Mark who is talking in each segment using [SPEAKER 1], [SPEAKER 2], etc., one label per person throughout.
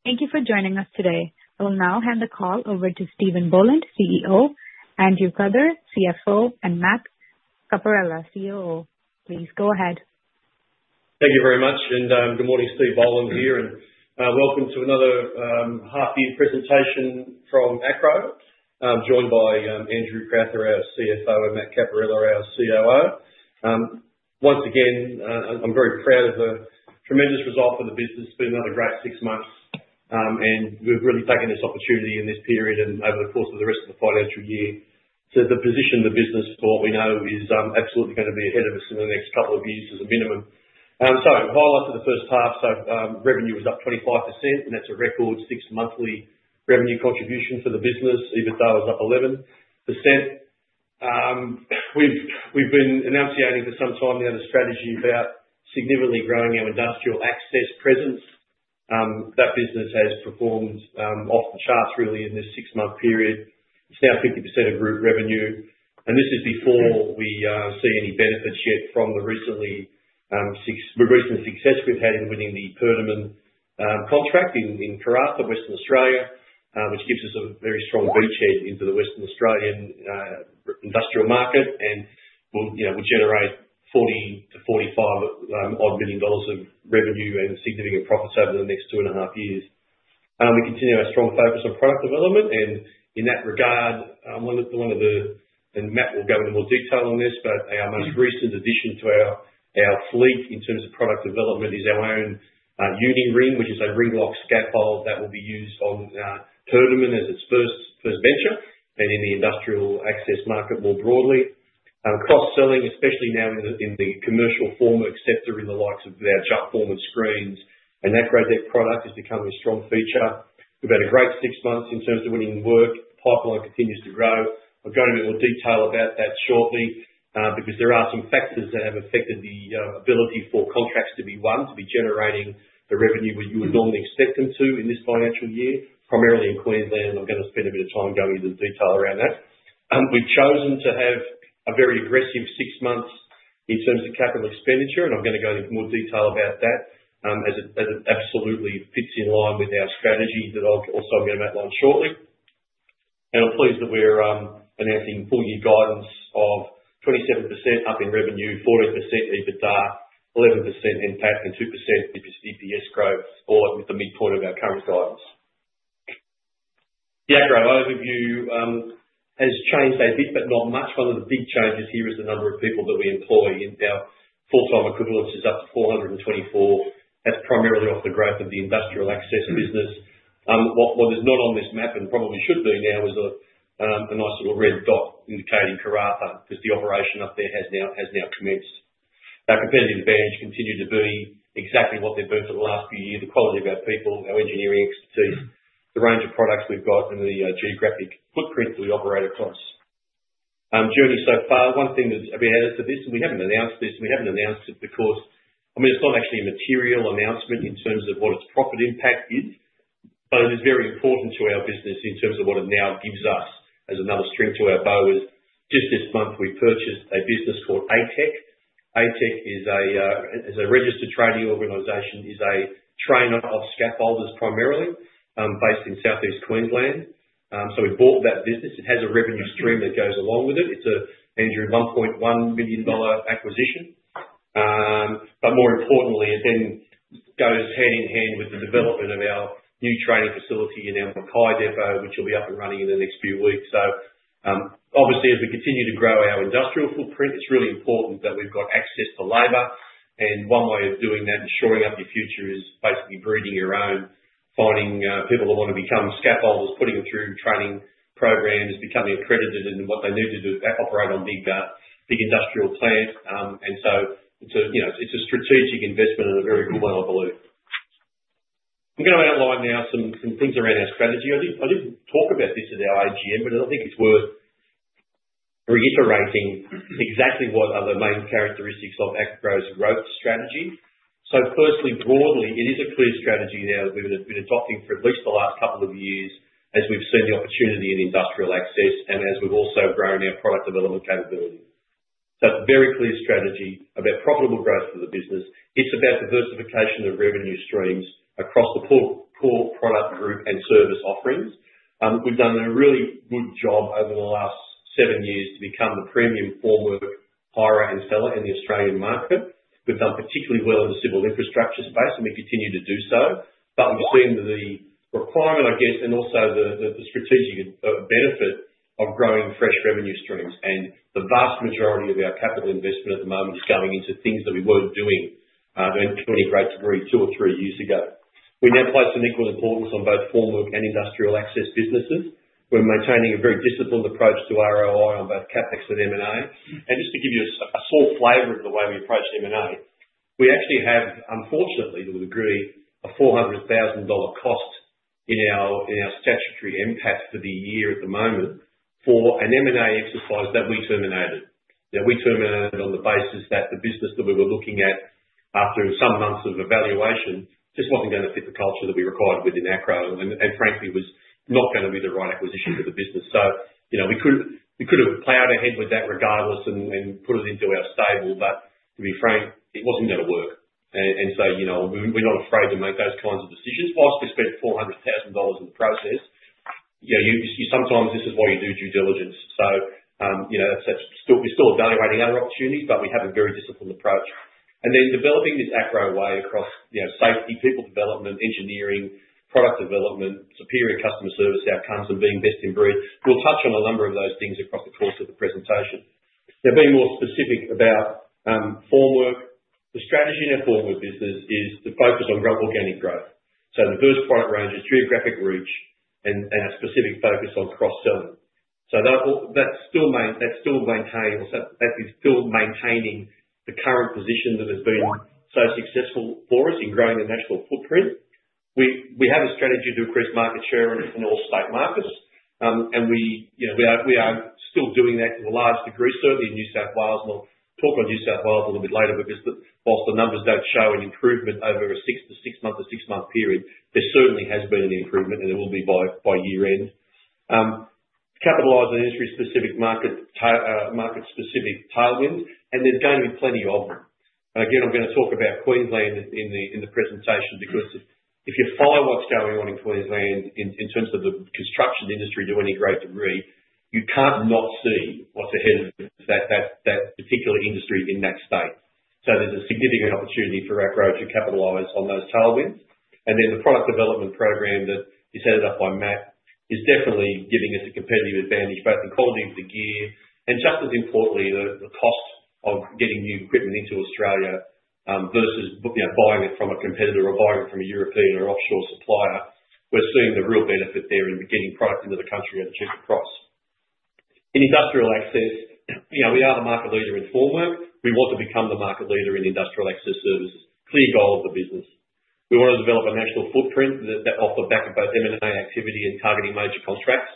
[SPEAKER 1] Thank you for joining us today. I will now hand the call over to Steven Boland, CEO, Andrew Crowther, CFO, and Matt Caporella, COO. Please go ahead.
[SPEAKER 2] Thank you very much. Good morning, Steve Boland here. Welcome to another half-year presentation from Acrow, joined by Andrew Crowther, our CFO, and Matt Caporella, our COO. Once again, I'm very proud of the tremendous result for the business. It's been another great six months. We've really taken this opportunity in this period and over the course of the rest of the financial year to position the business for what we know is absolutely going to be ahead of us in the next couple of years as a minimum. Highlights of the first half revenue was up 25%, and that's a record six-monthly revenue contribution for the business, EBITDA was up 11%. We've been enunciating for some time now the strategy about significantly growing our industrial access presence. That business has performed off the charts really in this six-month period. It's now 50% of group revenue. And this is before we see any benefits yet from the recently success we've had in winning the Perdaman contract in Karratha, Western Australia, which gives us a very strong beachhead into the Western Australian industrial market. We will generate 40 million-45 million dollars of revenue and significant profits over the next two and a half years. We continue our strong focus on product development. In that regard, one of the—and Matt will go into more detail on this—but our most recent addition to our fleet in terms of product development is our own Uni-Ring, which is a Ringlock Scaffold that will be used on Perdaman as its first venture and in the industrial access market more broadly. Cross-selling, especially now in the commercial form of AcrowDeck, in the likes of our Jumpform and Screens. That great big product is becoming a strong feature. We've had a great six months in terms of winning work. The pipeline continues to grow. I'll go into a bit more detail about that shortly because there are some factors that have affected the ability for contracts to be won, to be generating the revenue we would normally expect them to in this financial year, primarily in Queensland. I'm going to spend a bit of time going into the detail around that. We've chosen to have a very aggressive six months in terms of capital expenditure. I'm going to go into more detail about that as it absolutely fits in line with our strategy that I'm also going to outline shortly. I'm pleased that we're announcing full-year guidance of 27% up in revenue, 14% EBITDA, 11% impact, and 2% EPS growth, all at the midpoint of our current guidance. The Acrow overview has changed a bit, but not much. One of the big changes here is the number of people that we employ in our full-time equivalence is up to 424. That's primarily off the growth of the industrial access business. What is not on this map and probably should be now is a nice little red dot indicating Karratha because the operation up there has now commenced. Our competitive advantage continued to be exactly what they've been for the last few years: the quality of our people, our engineering expertise, the range of products we've got, and the geographic footprint that we operate across. Journey so far, one thing that's—I mean, added to this, and we haven't announced this, and we haven't announced it, of course, I mean, it's not actually a material announcement in terms of what its profit impact is, but it is very important to our business in terms of what it now gives us as another strength to our bow. Just this month, we purchased a business called ATEC. ATEC is a registered training organization, is a trainer of scaffolders primarily, based in southeast Queensland. So we bought that business. It has a revenue stream that goes along with it. It's an 1.1 million dollar acquisition. But more importantly, it then goes hand in hand with the development of our new training facility in our Mackay Depot, which will be up and running in the next few weeks. Obviously, as we continue to grow our industrial footprint, it's really important that we've got access to labour. One way of doing that and shoring up your future is basically breeding your own, finding people that want to become scaffolders, putting them through training programs, becoming accredited in what they need to do to operate on big industrial plants. It is a strategic investment and a very good one, I believe. I'm going to outline now some things around our strategy. I didn't talk about this at our AGM, but I think it's worth reiterating exactly what are the main characteristics of Acrow's growth strategy. Firstly, broadly, it is a clear strategy now that we've been adopting for at least the last couple of years as we've seen the opportunity in industrial access and as we've also grown our product development capability. It is a very clear strategy about profitable growth for the business. It is about diversification of revenue streams across the core product group and service offerings. We have done a really good job over the last seven years to become the premium formwork hirer and seller in the Australian market. We have done particularly well in the civil infrastructure space, and we continue to do so. We have seen the requirement, I guess, and also the strategic benefit of growing fresh revenue streams. The vast majority of our capital investment at the moment is going into things that we were not doing to any great degree two or three years ago. We now place an equal importance on both formwork and industrial access businesses. We are maintaining a very disciplined approach to ROI on both CapEx and M&A. Just to give you a sore flavor of the way we approach M&A, we actually have, unfortunately, to a degree, an 400,000 dollar cost in our statutory impact for the year at the moment for an M&A exercise that we terminated. We terminated on the basis that the business that we were looking at after some months of evaluation just was not going to fit the culture that we required within Acrow and, frankly, was not going to be the right acquisition for the business. We could have plowed ahead with that regardless and put it into our stable. To be frank, it was not going to work. I'd say, you know, we are not afraid to make those kinds of decisions. Whilst we spent 400,000 dollars in the process, sometimes this is why you do due diligence. So, you know, we are still evaluating other opportunities, but we have a very disciplined approach. An then, developing this Acrow Way across safety, people development, engineering, product development, superior customer service outcomes, and being best in breed, we'll touch on a number of those things across the course of the presentation. Now, being more specific about formwork, the strategy in our formwork business is to focus on organic growth. The first product range is geographic reach and a specific focus on cross-selling. That is still maintaining the current position that has been so successful for us in growing the national footprint. We have a strategy to increase market share in all state markets. We are still doing that to a large degree, certainly in New South Wales. I'll talk on New South Wales a little bit later because whilst the numbers don't show an improvement over a six-month to six-month period, there certainly has been an improvement, and it will be by year-end. Capitalize on industry-specific, market-specific tailwinds. There are going to be plenty of them. Again, I'm going to talk about Queensland in the presentation because if you follow what's going on in Queensland in terms of the construction industry to any great degree, you can't not see what's ahead of that particular industry in that state. There is a significant opportunity for Acrow to capitalize on those tailwinds. The product development program that is headed up by Matt is definitely giving us a competitive advantage, both in quality of the gear and, just as importantly, the cost of getting new equipment into Australia versus buying it from a competitor or buying it from a European or offshore supplier. We are seeing the real benefit there in getting product into the country at a cheaper price. In industrial access, we are the market leader in formwork. We want to become the market leader in industrial access services. Clear goal of the business. We want to develop a national footprint that offers backup of M&A activity and targeting major contracts.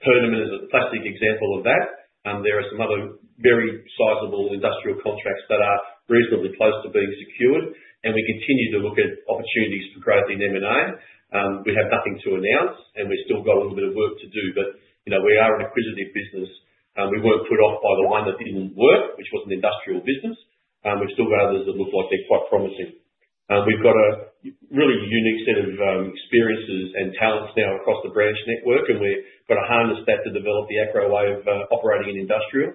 [SPEAKER 2] Perdaman is a classic example of that. There are some other very sizable industrial contracts that are reasonably close to being secured. We continue to look at opportunities for growth in M&A. We have nothing to announce, and we've still got a little bit of work to do. We are an acquisitive business. We were not put off by the one that did not work, which was an industrial business. We have still got others that look like they are quite promising. We have got a really unique set of experiences and talents now across the branch network, and we have got to harness that to develop the Acrow Way of operating in industrial.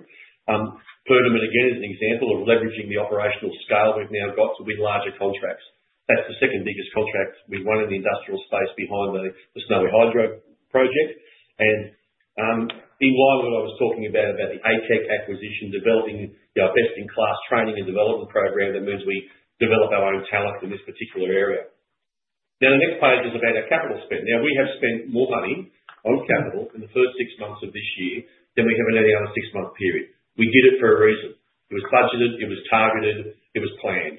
[SPEAKER 2] Perdaman, again, is an example of leveraging the operational scale we have now got to win larger contracts. That is the second biggest contract we won in the industrial space behind the Snowy Hydro Project. In line with what I was talking about, about the ATEC acquisition, developing our best-in-class training and development program, that means we develop our own talent in this particular area. Now, the next page is about our capital spend. Now, we have spent more money on capital in the first six months of this year than we have in any other six-month period. We did it for a reason. It was budgeted. It was targeted. It was planned.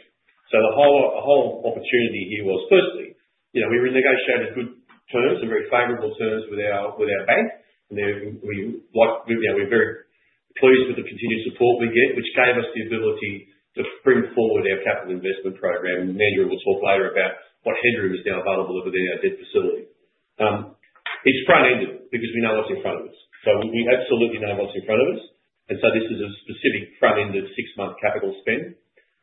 [SPEAKER 2] The whole opportunity here was, firstly, we renegotiated good terms, some very favorable terms with our bank. We are very pleased with the continued support we get, which gave us the ability to bring forward our capital investment program. Andrew will talk later about what headroom is now available over there at that facility. It is front-ended because we know what is in front of us. We absolutely know what is in front of us. This is a specific front-ended six-month capital spend.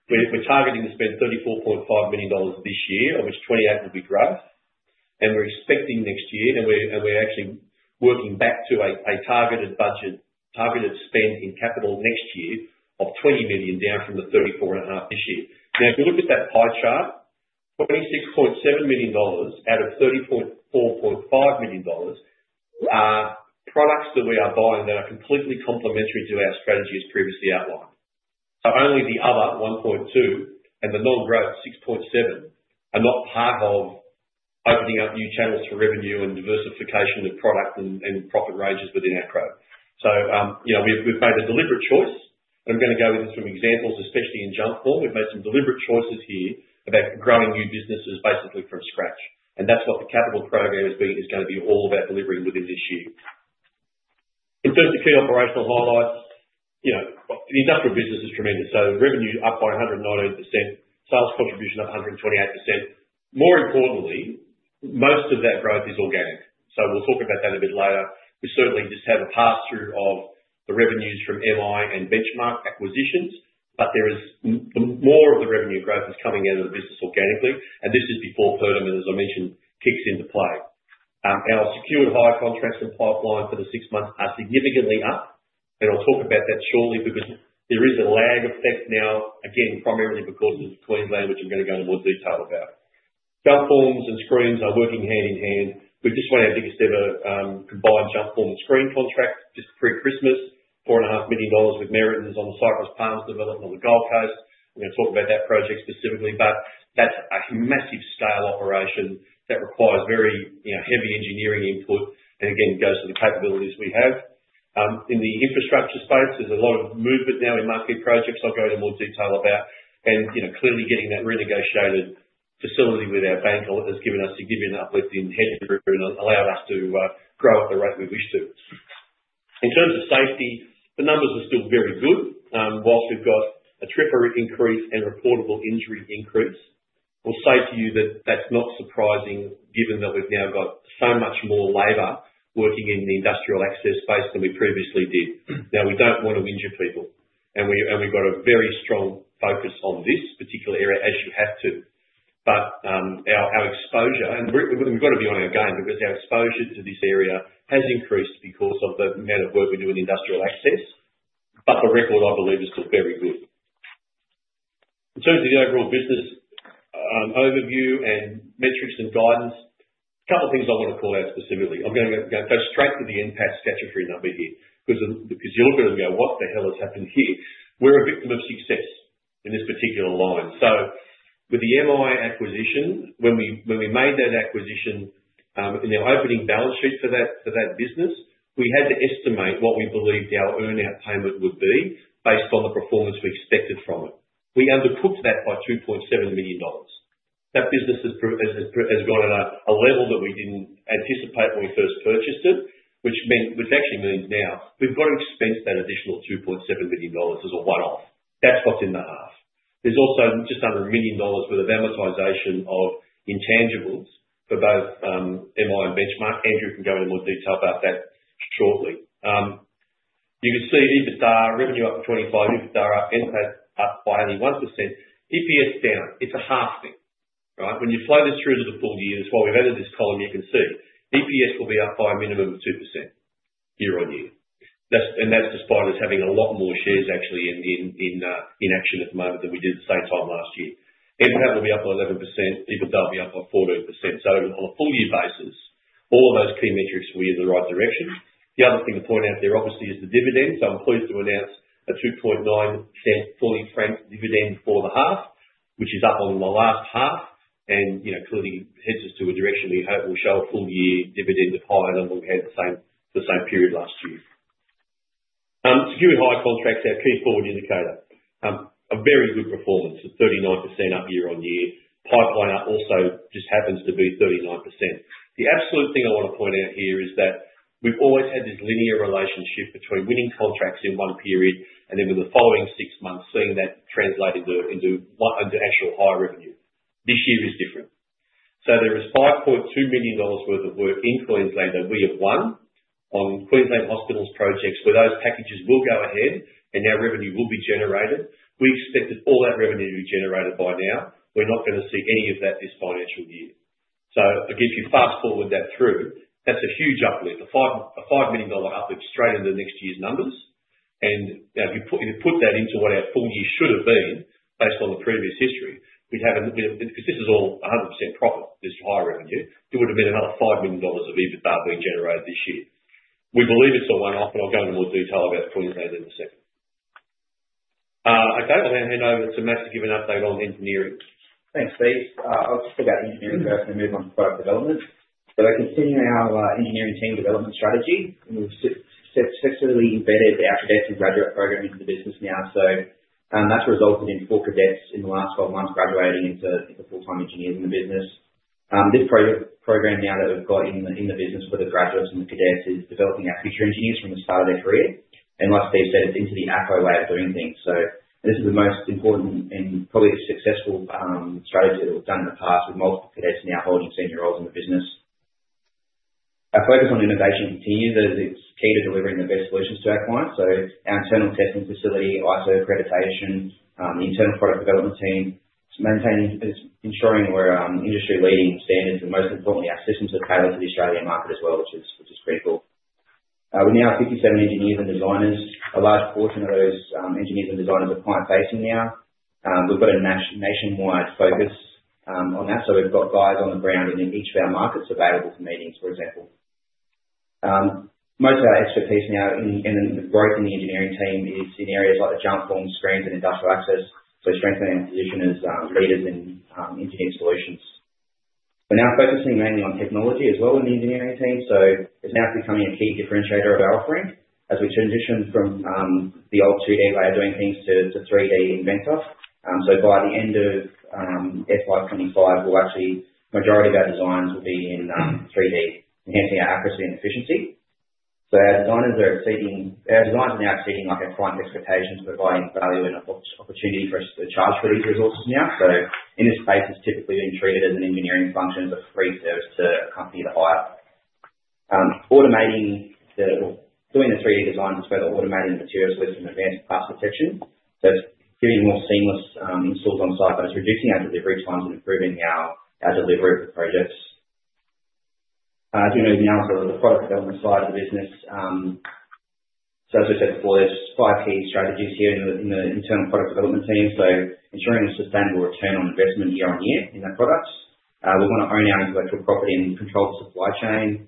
[SPEAKER 2] We are targeting to spend 34.5 million dollars this year, of which 28 will be growth. We are expecting next year—we are actually working back to a targeted budget, targeted spend in capital next year of 20 million, down from the 34.5 million this year. If you look at that pie chart, 26.7 million dollars out of 30.45 million dollars are products that we are buying that are completely complementary to our strategy as previously outlined. Only the other 1.2 million and the non-growth 6.7 million are not part of opening up new channels for revenue and diversification of product and profit ranges within Acrow. We have made a deliberate choice. I am going to go into some examples, especially in Jumpform. We have made some deliberate choices here about growing new businesses basically from scratch. That is what the capital program is going to be all about delivering within this year. In terms of key operational highlights, the industrial business is tremendous. Revenue up by 119%, sales contribution up 128%. More importantly, most of that growth is organic. We will talk about that a bit later. We certainly just have a pass-through of the revenues from MI and Benchmark acquisitions. More of the revenue growth is coming out of the business organically. This is before Perdaman, as I mentioned, kicks into play. Our secured hire contracts and pipeline for the six months are significantly up. I will talk about that shortly because there is a lag effect now, again, primarily because of Queensland, which I am going to go into more detail about. Jumpforms and screens are working hand in hand. We just won our biggest ever combined Jumpform and screen contract just pre-Christmas, 4.5 million dollars with Meriton on the Cypress Palms development on the Gold Coast. We are going to talk about that project specifically. That's a massive scale operation that requires very heavy engineering input and, again, goes to the capabilities we have. In the infrastructure space, there's a lot of movement now in market projects. I'll go into more detail about. Clearly, getting that renegotiated facility with our bank has given us significant uplift in headroom and allowed us to grow at the rate we wish to. In terms of safety, the numbers are still very good. Whilst we've got a TRIFR increase and a reportable injury increase, I'll say to you that that's not surprising given that we've now got so much more labor working in the industrial access space than we previously did. We don't want to injure people. We've got a very strong focus on this particular area as you have to. Our exposure—and we've got to be on our game because our exposure to this area has increased because of the amount of work we do in industrial access. The record, I believe, is still very good. In terms of the overall business overview and metrics and guidance, a couple of things I want to call out specifically. I'm going to go straight to the impact statutory number here because you'll look at it and go, "What the hell has happened here?" We're a victim of success in this particular line. With the MI acquisition, when we made that acquisition in the opening balance sheet for that business, we had to estimate what we believed our earn-out payment would be based on the performance we expected from it. We undercooked that by 2.7 million dollars. That business has gone at a level that we did not anticipate when we first purchased it, which actually means now we have to expense that additional 2.7 million dollars as a one-off. That is what is in the half. There is also just under 1 million dollars worth of amortization of intangibles for both MI and Benchmark. Andrew can go into more detail about that shortly. You can see EBITDA revenue up to 25, EBITDA up by only 1%. EPS down. It is a half thing, right? When you flow this through to the full year—this is why we have added this column—you can see EPS will be up by a minimum of 2% year-on-year. That is despite us having a lot more shares actually in action at the moment than we did at the same time last year. EBITDA will be up by 11%. EBITDA will be up by 14%. On a full-year basis, all of those key metrics were in the right direction. The other thing to point out there, obviously, is the dividend. I'm pleased to announce a 2.9% fully franked dividend for the half, which is up on the last half, and clearly heads us to a direction we hope will show a full-year dividend higher than we had the same period last year. Secured hire contracts, our key forward indicator. A very good performance of 39% up year-on-year. Pipeline also just happens to be 39%. The absolute thing I want to point out here is that we've always had this linear relationship between winning contracts in one period and then, with the following six months, seeing that translate into actual hire revenue. This year is different. There is 5.2 million dollars worth of work in Queensland that we have won on Queensland Hospitals projects where those packages will go ahead and our revenue will be generated. We expected all that revenue to be generated by now. We are not going to see any of that this financial year. If you fast-forward that through, that is a huge uplift, a 5 million dollar uplift straight into next year's numbers. If you put that into what our full year should have been based on the previous history, we would have a—because this is all 100% profit, this hire revenue—there would have been another 5 million dollars of EBITDA being generated this year. We believe it is a one-off, and I will go into more detail about Queensland in a second. Okay. I will now hand over to Matt to give an update on engineering.
[SPEAKER 3] Thanks, Steve.I'll just put that engineering first and then move on to product development. They continue our engineering team development strategy. We've successfully embedded our cadets and graduate program into the business now. That's resulted in four cadets in the last 12 months graduating into full-time engineers in the business. This program now that we've got in the business for the graduates and the cadets is developing our future engineers from the start of their career. Like Steve said, it's into the Acrow Way of doing things. This is the most important and probably the successful strategy that we've done in the past with multiple cadets now holding senior roles in the business. Our focus on innovation continues as it's key to delivering the best solutions to our clients. Our internal testing facility, ISO accreditation, the internal product development team, ensuring we're industry-leading standards, and most importantly, our systems are tailored to the Australian market as well, which is critical. We now have 57 engineers and designers. A large portion of those engineers and designers are client-facing now. We've got a nationwide focus on that. We've got guys on the ground in each of our markets available for meetings, for example. Most of our expertise now in the growth in the engineering team is in areas like the Jumpforms, screens, and industrial access. Strengthening our position as leaders in engineering solutions. We're now focusing mainly on technology as well in the engineering team. It's now becoming a key differentiator of our offering as we transition from the old 2D way of doing things to 3D Inventor. By the end of FY2025, the majority of our designs will be in 3D, enhancing our accuracy and efficiency. Our designs are now exceeding our client's expectations by providing value and opportunity for us to charge for these resources now. In this space, it's typically been treated as an engineering function as a free service to a company to hire. Doing the 3D designs is further automating the materials list and advanced path detection. It's giving more seamless installs on-site, but it's reducing our delivery times and improving our delivery of the projects. As we move now to the product development side of the business, as I said before, there are five key strategies here in the internal product development team. Ensuring a sustainable return on investment year-on-year in our products. We want to own our intellectual property and control the supply chain.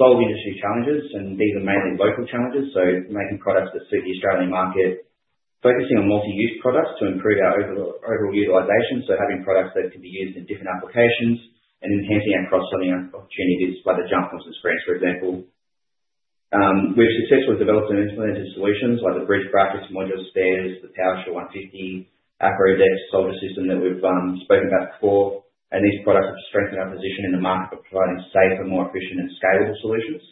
[SPEAKER 3] Solve industry challenges, and these are mainly local challenges. Making products that suit the Australian market, focusing on multi-use products to improve our overall utilization. Having products that can be used in different applications and enhancing our cross-selling opportunities by the Jumpforms and screens, for example. We've successfully developed and implemented solutions like the bridge brackets, modular stairs, the PowerShore 150, Acrow Deck Soldier System that we've spoken about before. These products have strengthened our position in the market by providing safer, more efficient, and scalable solutions.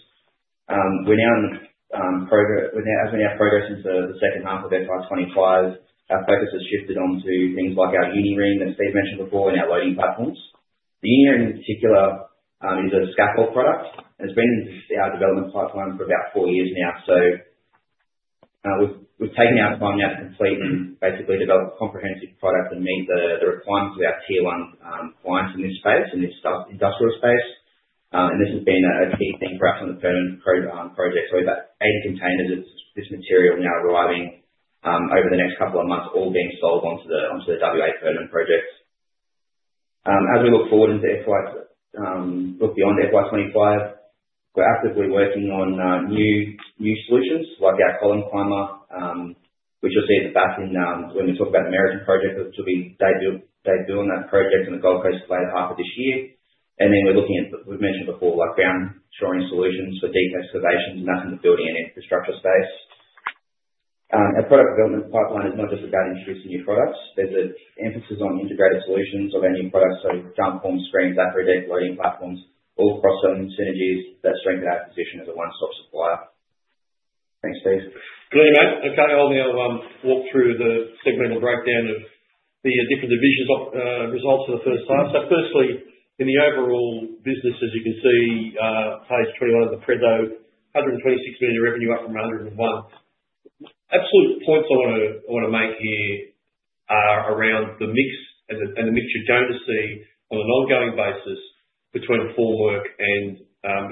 [SPEAKER 3] We're now in the—as we're now progressing to the second half of FY2025, our focus has shifted onto things like our Uni-Ring that Steve mentioned before and our loading platforms. The Uni-Ring, in particular, is a scaffold product, and it's been in our development pipeline for about four years now. We have taken our time now to complete and basically develop a comprehensive product and meet the requirements of our tier-one clients in this space, in this industrial space. This has been a key thing for us on the Perdaman project. We have 80 containers of this material now arriving over the next couple of months, all being sold onto the Western Australia Perdaman project. As we look forward into FY25—look beyond FY25, we are actively working on new solutions like our Column Climber, which you will see at the back when we talk about the Meriton project. We are still being day-built on that project in the Gold Coast later half of this year. We are looking at, as we have mentioned before, ground-shoring solutions for deep excavations and that is in the building and infrastructure space. Our product development pipeline is not just about introducing new products. There's an emphasis on integrated solutions of our new products, so Jumpforms, screens, Acrow DEX loading platforms, all cross-selling synergies that strengthen our position as a one-stop supplier. Thanks, Steve.
[SPEAKER 2] Clear now. Okay. I'll now walk through the segmental breakdown of the different divisions' results for the first time. Firstly, in the overall business, as you can see, page 21 of the Crowther, 126 million in revenue up from 101 million. Absolute points I want to make here are around the mix and the mixture you are going to see on an ongoing basis between formwork and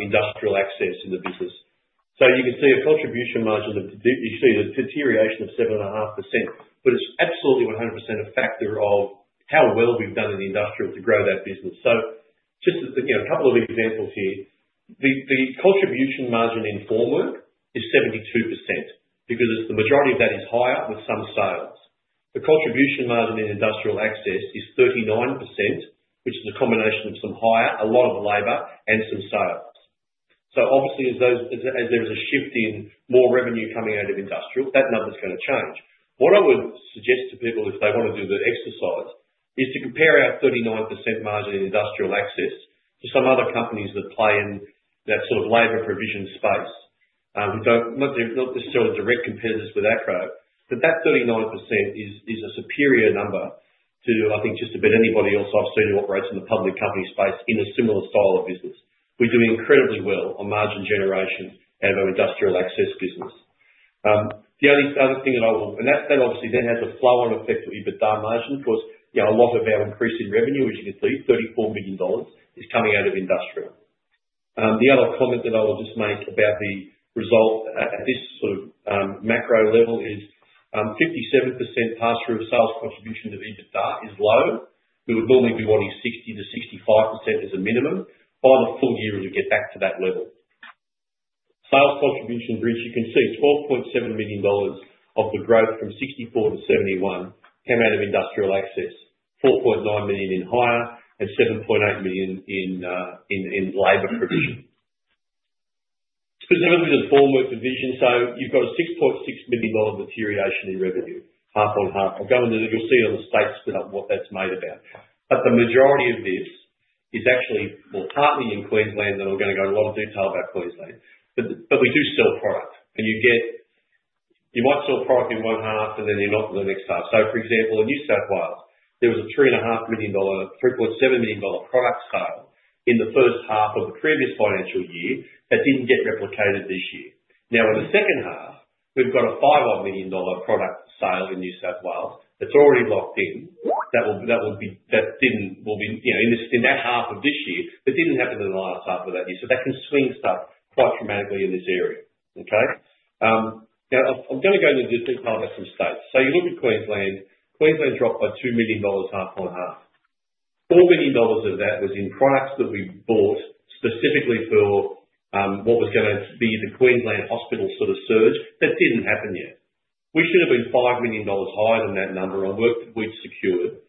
[SPEAKER 2] industrial access in the business. You can see a contribution margin of—you see the deterioration of 7.5%, but it is absolutely 100% a factor of how well we have done in the industrial to grow that business. Just a couple of examples here. The contribution margin in formwork is 72% because the majority of that is hire with some sales. The contribution margin in industrial access is 39%, which is a combination of some hire, a lot of labor, and some sales. Obviously, as there's a shift in more revenue coming out of industrial, that number's going to change. What I would suggest to people if they want to do the exercise is to compare our 39% margin in industrial access to some other companies that play in that sort of labor provision space. They're not necessarily direct competitors with Acrow, but that 39% is a superior number to, I think, just about anybody else I've seen who operates in the public company space in a similar style of business. We're doing incredibly well on margin generation out of our industrial access business. The other thing that I will—and that obviously then has a flow-on effect on EBITDA margin because a lot of our increasing revenue, as you can see, AUD 34 million, is coming out of industrial. The other comment that I will just make about the result at this sort of macro level is 57% pass-through of sales contribution to EBITDA is low. We would normally be wanting 60-65% as a minimum. By the full year, we would get back to that level. Sales contribution bridge, you can see AUD 12.7 million of the growth from 64 to 71 came out of industrial access, 4.9 million in hire and 7.8 million in labor provision. Specifically the formwork division, so you've got a 6.6 million dollar deterioration in revenue, half on half. I'll go into that. You'll see it on the states what that's made about. The majority of this is actually partly in Queensland. I am going to go into a lot of detail about Queensland. We do sell product. You might sell product in one half, and then you're not in the next half. For example, in New South Wales, there was an 3.7 million dollar product sale in the first half of the previous financial year that did not get replicated this year. Now, in the second half, we have an 5 million dollar product sale in New South Wales that is already locked in that will be in that half of this year. That did not happen in the last half of that year. That can swing stuff quite dramatically in this area, okay? Now, I am going to go into this detail about some states. You look at Queensland. Queensland dropped by 2 million dollars half on half. 4 million dollars of that was in products that we bought specifically for what was going to be the Queensland Hospitals sort of surge that did not happen yet. We should have been 5 million dollars higher than that number on work that we'd secured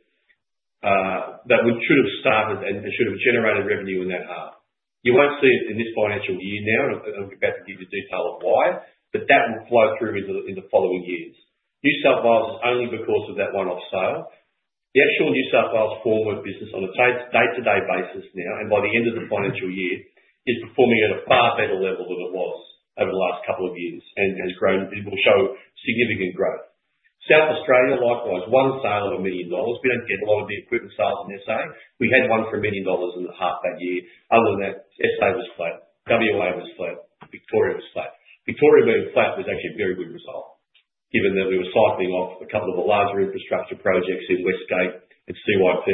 [SPEAKER 2] that should have started and should have generated revenue in that half. You won't see it in this financial year now, and I'm about to give you detail of why, but that will flow through into the following years. New South Wales is only because of that one-off sale. The actual New South Wales formwork business on a day-to-day basis now and by the end of the financial year is performing at a far better level than it was over the last couple of years and will show significant growth. South Australia, likewise, one sale of 1 million dollars. We don't get a lot of the equipment sales in SA. We had one for 1 million dollars in the half that year. Other than that, SA was flat. WA was flat. Victoria was flat. Victoria being flat was actually a very good result given that we were cycling off a couple of the larger infrastructure projects in West Gate and CYP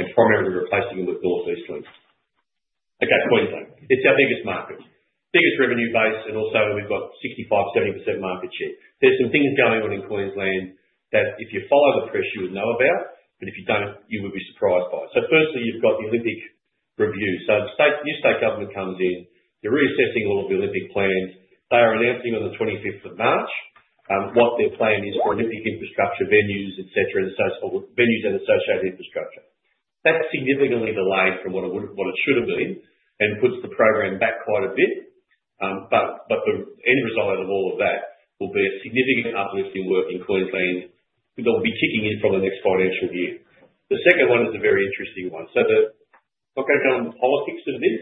[SPEAKER 2] and primarily replacing them with North East Link. Queensland. It's our biggest market, biggest revenue base, and also we've got 65%-70% market share. There are some things going on in Queensland that if you follow the press, you would know about, but if you don't, you would be surprised by it. Firstly, you've got the Olympic review. The new state government comes in. They're reassessing all of the Olympic plans. They are announcing on the 25th of March what their plan is for Olympic infrastructure, venues, etc., venues and associated infrastructure. That's significantly delayed from what it should have been and puts the program back quite a bit. The end result out of all of that will be a significant uplift in work in Queensland that will be kicking in from the next financial year. The second one is a very interesting one. I will go down the politics of this.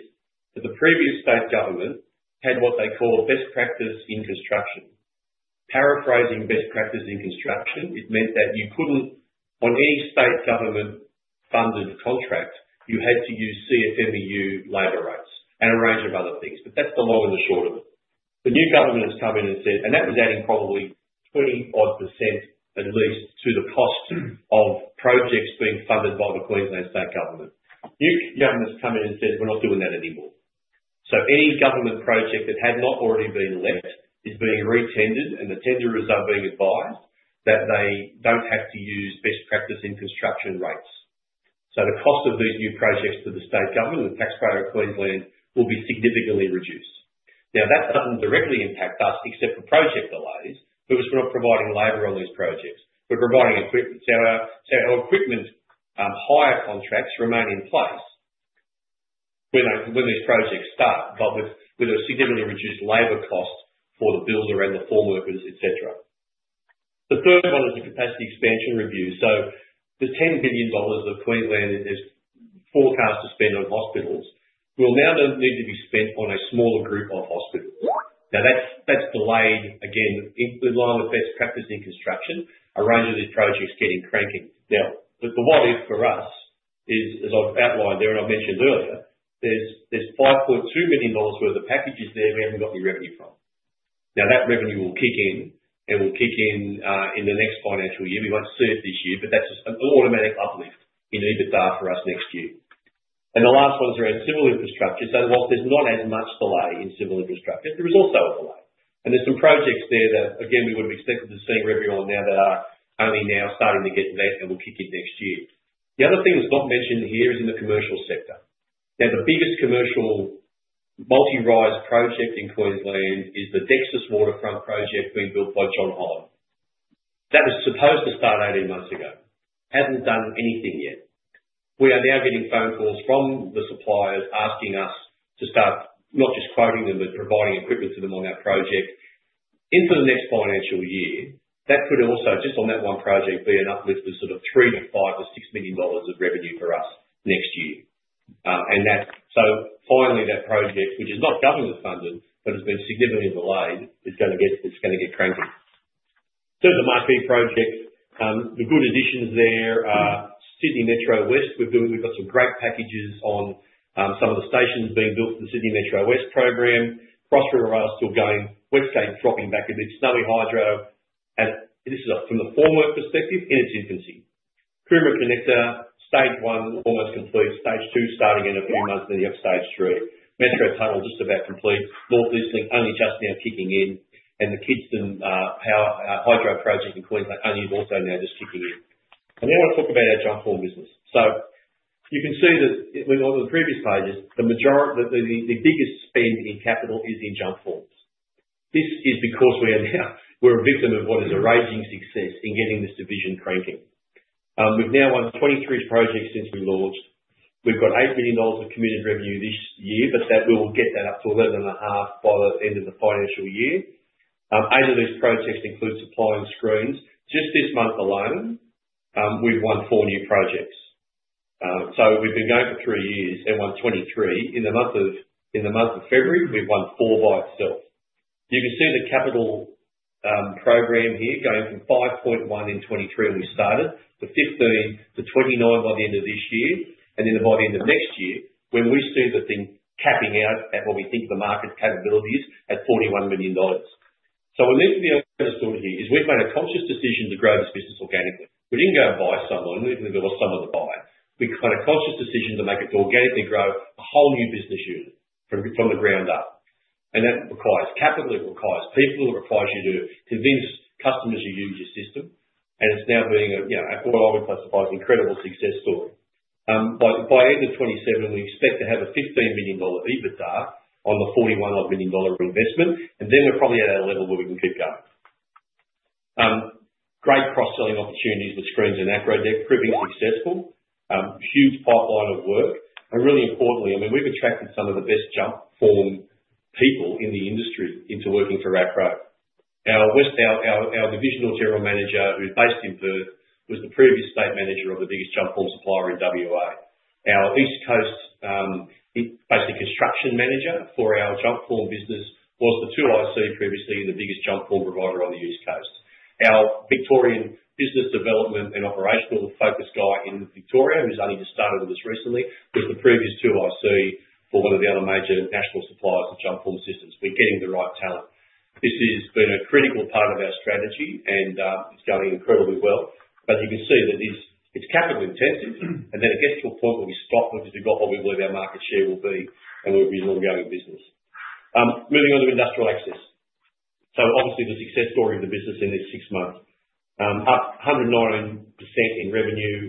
[SPEAKER 2] The previous state government had what they call best practice in construction. Paraphrasing best practice in construction, it meant that you could not, on any state government-funded contract, you had to use CFMEU labor rights and a range of other things. That is the long and the short of it. The new government has come in and said—that was adding probably 25% at least to the cost of projects being funded by the Queensland State Government. The new government's come in and said, "We're not doing that anymore." Any government project that had not already been let is being retendered, and the tenderers are being advised that they don't have to use best practice in construction rates. The cost of these new projects to the state government and taxpayer of Queensland will be significantly reduced. That doesn't directly impact us except for project delays, but we're not providing labor on these projects. We're providing equipment. Our equipment hire contracts remain in place when these projects start, but with a significantly reduced labor cost for the builder and the formworkers, etc. The third one is the capacity expansion review. The 10 billion dollars that Queensland has forecast to spend on hospitals will now need to be spent on a smaller group of hospitals. Now, that's delayed, again, in line with best practice in construction. A range of these projects is getting cranky. Now, the what-if for us is, as I've outlined there and I've mentioned earlier, there's 5.2 million dollars worth of packages there we haven't got any revenue from. That revenue will kick in, and it will kick in in the next financial year. We won't see it this year, but that's just an automatic uplift in EBITDA for us next year. The last one is around civil infrastructure. Whilst there's not as much delay in civil infrastructure, there is also a delay. There's some projects there that, again, we wouldn't be expecting to see revenue on now that are only now starting to get met, and we'll kick it next year. The other thing that's not mentioned here is in the commercial sector. Now, the biggest commercial multi-rise project in Queensland is the Dexus Waterfront project being built by John Holland. That was supposed to start 18 months ago. Hasn't done anything yet. We are now getting phone calls from the suppliers asking us to start not just quoting them but providing equipment to them on that project into the next financial year. That could also, just on that one project, be an uplift of 3 million-5 million-AUD 6 million of revenue for us next year. Finally, that project, which is not government-funded but has been significantly delayed, is going to get cranky. Those are my three projects. The good additions there are Sydney Metro West. We've got some great packages on some of the stations being built for the Sydney Metro West program. Cross River Rail's still going. West Gate's dropping back a bit. Snowy Hydro. This is from the formwork perspective in its infancy. Coomera Connector, stage one, almost complete. Stage two, starting in a few months, near stage three. Metro Tunnel, just about complete. North East Link, only just now kicking in. The Kidston Hydro project in Queensland, only also now just kicking in. I want to talk about our Jumpform business. You can see that on the previous pages, the biggest spend in capital is in Jumpforms. This is because we are a victim of what is a raging success in getting this division cranking. We have now won 23 projects since we launched. We have got 8 million dollars of committed revenue this year, but we will get that up to 11.5 million by the end of the financial year. Eight of these projects include supplying screens. This month alone, we have won four new projects. We have been going for three years and won 23. In the month of February, we have won four by itself. You can see the capital program here going from 5.1 million in 2023 when we started, to 15 million, to 29 million by the end of this year, and then by the end of next year when we see the thing capping out at what we think the market capability is at AUD 41 million. What needs to be understood here is we have made a conscious decision to grow this business organically. We did not go and buy someone; we did not even know what someone would buy. We have made a conscious decision to make it to organically grow a whole new business unit from the ground up. That requires capital. It requires people. It requires you to convince customers to use your system. It is now being a—I would classify it as an incredible success story. By the end of 2027, we expect to have an 15 million dollar EBITDA on the 41 million dollar investment, and then we are probably at a level where we can keep going. Great cross-selling opportunities with screens and Acrow, they are proving successful. Huge pipeline of work. Really importantly, I mean, we have attracted some of the best Jumpform people in the industry into working for Acrow. Our Divisional General Manager, who is based in Perth, was the previous State Manager of the biggest Jumpform supplier in Western Australia. Our East Coast, basically Construction Manager for our Jumpform business, was the 2IC previously in the biggest Jumpform provider on the East Coast. Our Victorian business development and operational focus guy in Victoria, who's only just started with us recently, was the previous 2IC for one of the other major national suppliers of Jumpform systems. We're getting the right talent. This has been a critical part of our strategy, and it's going incredibly well. You can see that it's capital intensive, and then it gets to a point where we stop because we've got what we believe our market share will be, and we'll be an ongoing business. Moving on to industrial access. Obviously, the success story of the business in this six months: up 109% in revenue,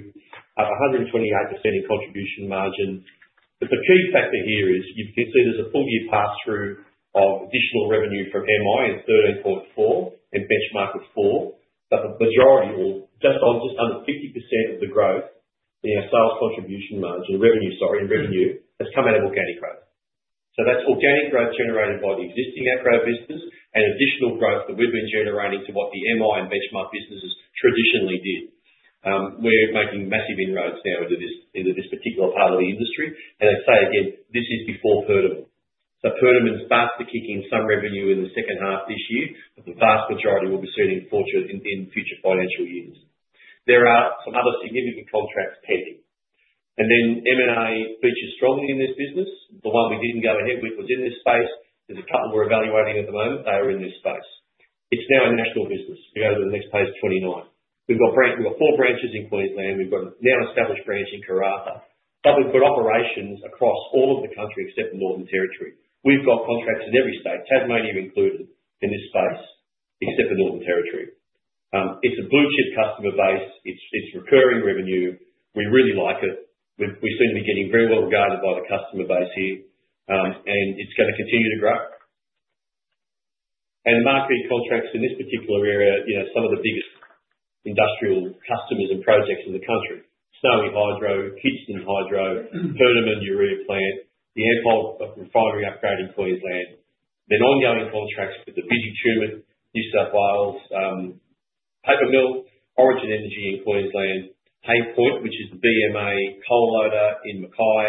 [SPEAKER 2] up 128% in contribution margin. The key factor here is you can see there's a full year pass-through of additional revenue from MI at 13.4 million and Benchmark of 4 million. The majority, or just under 50% of the growth in our sales contribution margin, revenue, sorry, in revenue, has come out of organic growth. That is organic growth generated by the existing Acrow business and additional growth that we have been generating to what the MI and Benchmark businesses traditionally did. We are making massive inroads now into this particular part of the industry. I would say, again, this is before Perth. Perth has started to kick in some revenue in the second half this year, but the vast majority will be sitting in future financial years. There are some other significant contracts pending. M&A features strongly in this business. The one we did not go ahead with was in this space. There are a couple we are evaluating at the moment. They are in this space. It is now a national business. If you go to the next page, 29. We've got four branches in Queensland. We've got a now-established branch in Karratha. We've got operations across all of the country except the Northern Territory. We've got contracts in every state, Tasmania included, in this space except the Northern Territory. It's a blue-chip customer base. It's recurring revenue. We really like it. We seem to be getting very well regarded by the customer base here, and it's going to continue to grow. Marketing contracts in this particular area, some of the biggest industrial customers and projects in the country: Snowy Hydro, Kidston Hydro, Perdaman Urea Plant, the Ampol Refinery Upgrade in Queensland. Ongoing contracts with the Visy Tumut, New South Wales, Paper Mill, Origin Energy in Queensland, Hay Point, which is the BMA coal loader in Mackay,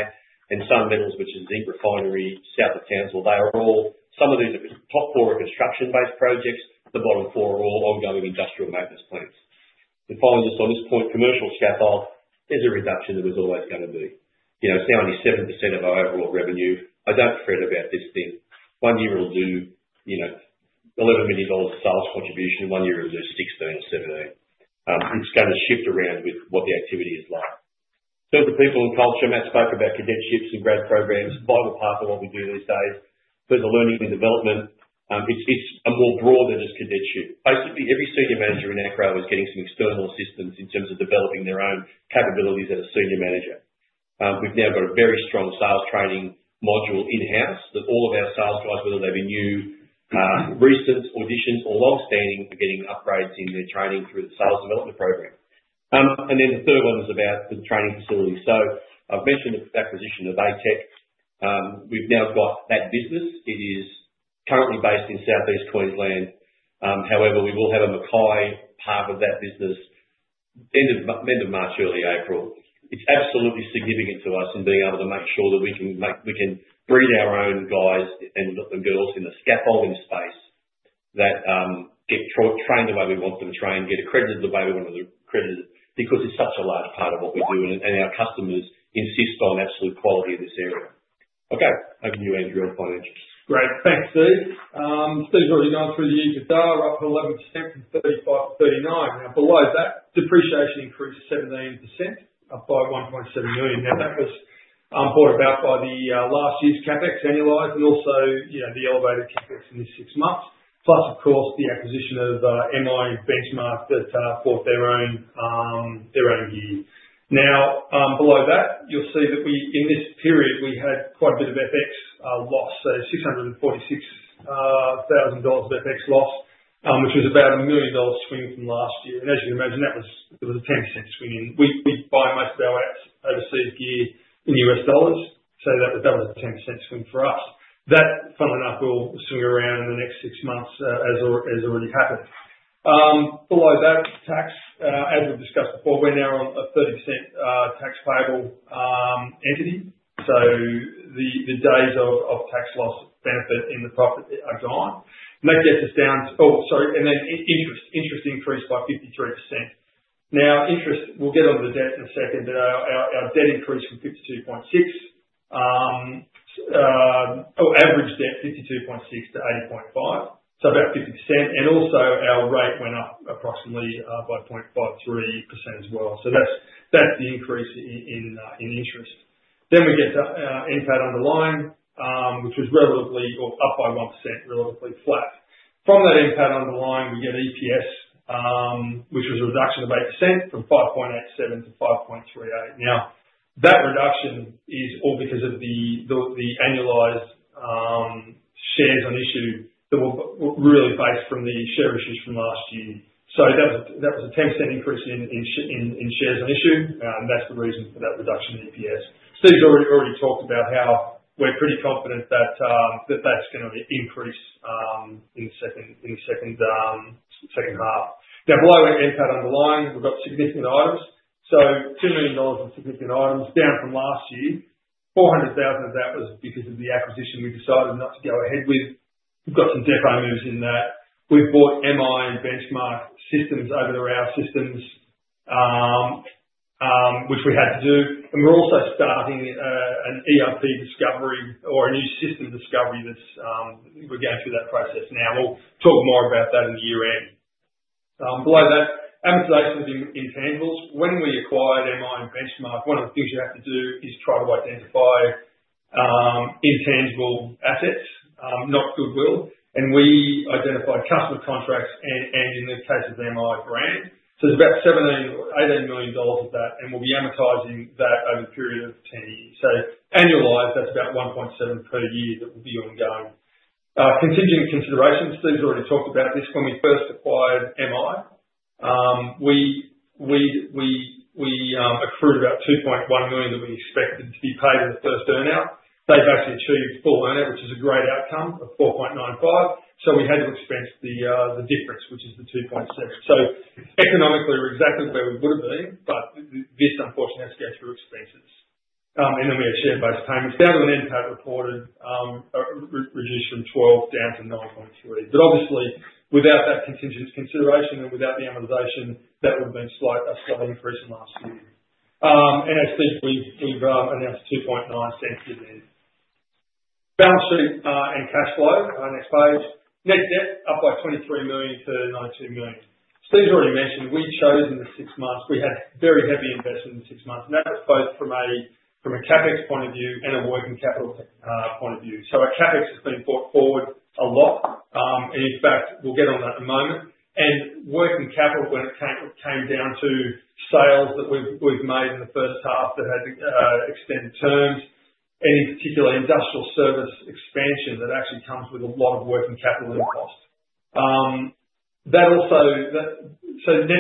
[SPEAKER 2] and Sun Metals, which is a zinc refinery south of Townsville. Some of these are top four construction-based projects. The bottom four are all ongoing industrial maintenance plants. Following just on this point, commercial scaffold, there is a reduction that was always going to be. It is now only 7% of our overall revenue. I do not fret about this thing. One year it will do 11 million dollars of sales contribution. One year it will do 16 or 17. It is going to shift around with what the activity is like. Those are people and culture. Matt spoke about cadetships and grad programs. Vital part of what we do these days. Those are learning and development. It is more broad than just cadetship. Basically, every senior manager in Acrow is getting some external assistance in terms of developing their own capabilities as a senior manager. have now got a very strong sales training module in-house that all of our sales guys, whether they be new, recent, auditioned, or long-standing, are getting upgrades in their training through the sales development program. The third one is about the training facility. I have mentioned the acquisition of ATEC. We have now got that business. It is currently based in Southeast Queensland. However, we will have a Mackay part of that business end of March, early April. It is absolutely significant to us in being able to make sure that we can breed our own guys and girls in the scaffolding space that get trained the way we want them trained, get accredited the way we want them accredited because it is such a large part of what we do, and our customers insist on absolute quality in this area. Okay. Over to you, Andrew, on financials.
[SPEAKER 4] Great. Thanks, Steve. Steve's already gone through the EBITDA, up to 11% from 35-39. Now, below that, depreciation increased 17%, up by 1.7 million. Now, that was brought about by the last year's CapEx annualized and also the elevated CapEx in these six months, plus, of course, the acquisition of MI Benchmark that fought their own year. Now, below that, you'll see that in this period, we had quite a bit of FX loss. So 646,000 dollars of FX loss, which was about a 1 million dollars swing from last year. As you can imagine, that was a 10% swing in. We buy most of our overseas gear in US dollars. That was a 10% swing for us. That, funnily enough, will swing around in the next six months, as already happened. Below that, tax, as we've discussed before, we're now on a 30% tax payable entity. The days of tax loss benefit in the profit are gone. That gets us down to—oh, sorry. Interest increased by 53%. Now, interest—we'll get onto the debt in a second. Our debt increased from 52.6 million. Our average debt, 52.6 million to 80.5 million. So about 50%. Also, our rate went up approximately by 0.53% as well. That's the increase in interest. We get to our NPAT underlying, which was relatively—or up by 1%, relatively flat. From that NPAT underlying, we get EPS, which was a reduction of 8% from 5.87 to 5.38. That reduction is all because of the annualized shares on issue that were really based from the share issues from last year. That was a 10% increase in shares on issue. That's the reason for that reduction in EPS. Steve's already talked about how we're pretty confident that that's going to increase in the second half. Now, below our NPAT underlying, we've got significant items. 2 million dollars in significant items, down from last year. 400,000 of that was because of the acquisition we decided not to go ahead with. We've got some depot moves in that. We've bought MI and Benchmark systems over to our systems, which we had to do. We're also starting an ERP discovery or a new system discovery that's—we're going through that process now. We'll talk more about that in the year end. Below that, amortization of intangibles. When we acquired MI and Benchmark, one of the things you have to do is try to identify intangible assets, not goodwill. We identified customer contracts and, in the case of MI, brand. Is about 17 million or 18 million dollars of that, and we will be amortizing that over a period of 10 years. Annualized, that is about 1.7 million per year that will be ongoing. Contingent considerations, Steve has already talked about this. When we first acquired MI, we accrued about 2.1 million that we expected to be paid in the first earnout. They have actually achieved full earnout, which is a great outcome of 4.95 million. We had to expense the difference, which is the 2.7 million. Economically, we are exactly where we would have been, but this, unfortunately, has to go through expenses. Then we had share-based payments. The other NPAT reported reduced from 12 million down to 9.3 million. Obviously, without that contingent consideration and without the amortization, that would have been a slight increase on last year. As Steve said, we have announced 2.9% year-to-year. Balance sheet and cash flow, next page. Net debt, up by 23 million to 92 million. Steve's already mentioned we chose in the six months. We had very heavy investment in the six months. That was both from a CapEx point of view and a working capital point of view. Our CapEx has been brought forward a lot. In fact, we'll get on that in a moment. Working capital, when it came down to sales that we've made in the first half that had extended terms, and in particular, industrial service expansion that actually comes with a lot of working capital in cost. Net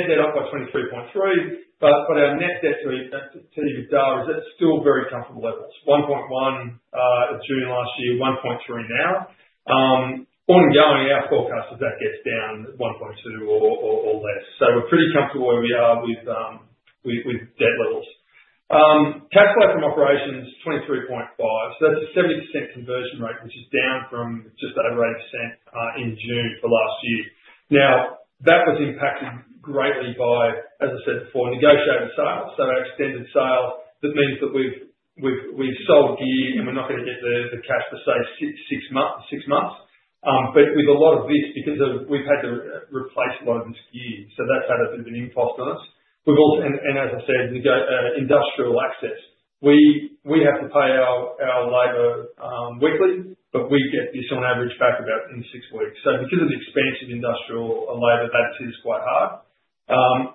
[SPEAKER 4] debt up by 23.3 million. Our net debt to EBITDA is at still very comfortable levels. 1.1 at June last year, 1.3 now. Ongoing, our forecast is that gets down to 1.2 or less. We're pretty comfortable where we are with debt levels. Cash flow from operations, 23.5 million. So that's a 70% conversion rate, which is down from just over 80% in June for last year. Now, that was impacted greatly by, as I said before, negotiated sales. So our extended sales, that means that we've sold gear and we're not going to get the cash for six months. But with a lot of this, because we've had to replace a lot of this gear, that's had a bit of an impost on us. As I said, industrial access. We have to pay our labor weekly, but we get this on average back about in six weeks. Because of the expense of industrial labor, that is quite hard.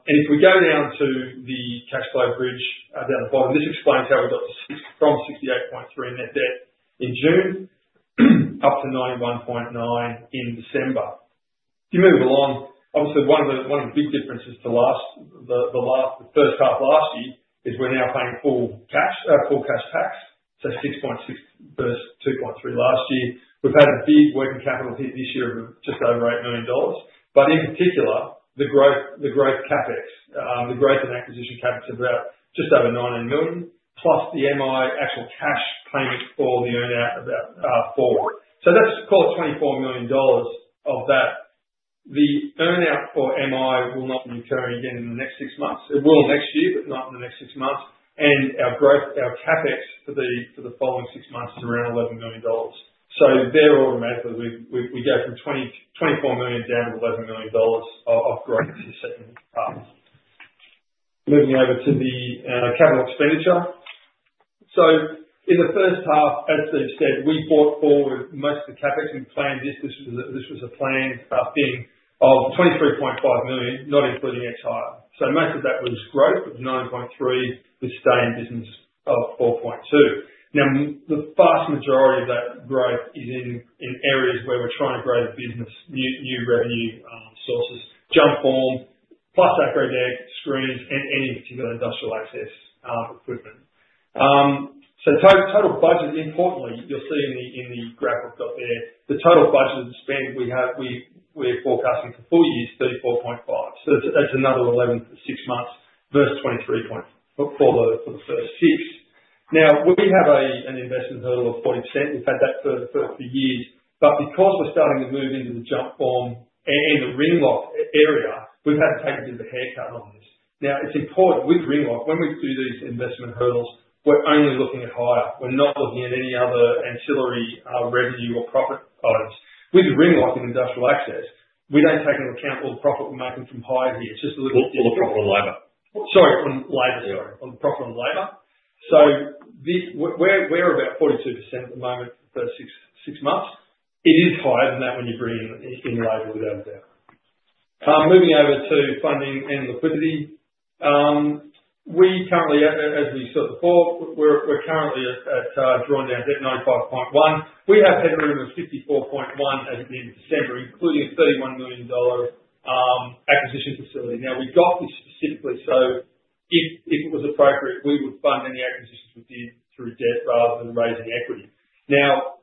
[SPEAKER 4] If we go down to the cash flow bridge down at the bottom, this explains how we got from 68.3 million net debt in June up to 91.9 million in December. If you move along, obviously, one of the big differences to the first half last year is we're now paying full cash tax. So 6.6 million versus 2.3 million last year. We've had a big working capital hit this year of just over 8 million dollars. In particular, the growth CapEx, the growth and acquisition CapEx of about just over 19 million, plus the MI actual cash payment for the earnout about 4 million. Call it AUD 24 million of that. The earnout for MI will not be occurring again in the next six months. It will next year, but not in the next six months. Our CapEx for the following six months is around 11 million dollars. There automatically, we go from 24 million down to 11 million dollars of growth in the second half. Moving over to the capital expenditure. In the first half, as Steve said, we brought forward most of the CapEx and planned this. This was a planned thing of 23.5 million, not including ex-hire. Most of that was growth of 9.3 million with stay in business of 4.2 million. Now, the vast majority of that growth is in areas where we're trying to grow the business, new revenue sources, jumpform, plus screens, and any particular industrial access equipment. Total budget, importantly, you'll see in the graph we've got there, the total budget of the spend we're forecasting for four years is 34.5 million. That's another 11 million for six months versus 23.5 million for the first six. We have an investment hurdle of 40%. We've had that for years. Because we're starting to move into the jumpform and the Ringlock area, we've had to take a bit of a haircut on this. Now, it's important with Ringlock, when we do these investment hurdles, we're only looking at hire. We're not looking at any other ancillary revenue or profit items. With Ringlock in industrial access, we don't take into account all the profit we're making from hire here. It's just a little bit.
[SPEAKER 2] All the profit on labor.
[SPEAKER 4] Sorry, on labor. Sorry. On the profit on labor. So we're about 42% at the moment for the first six months. It is higher than that when you bring in labor without a doubt. Moving over to funding and liquidity. As we saw before, we're currently at drawn-down debt, 95.1 million. We have headroom of 54.1 million at the end of December, including an 31 million dollar acquisition facility. Now, we've got this specifically. If it was appropriate, we would fund any acquisitions we did through debt rather than raising equity. Our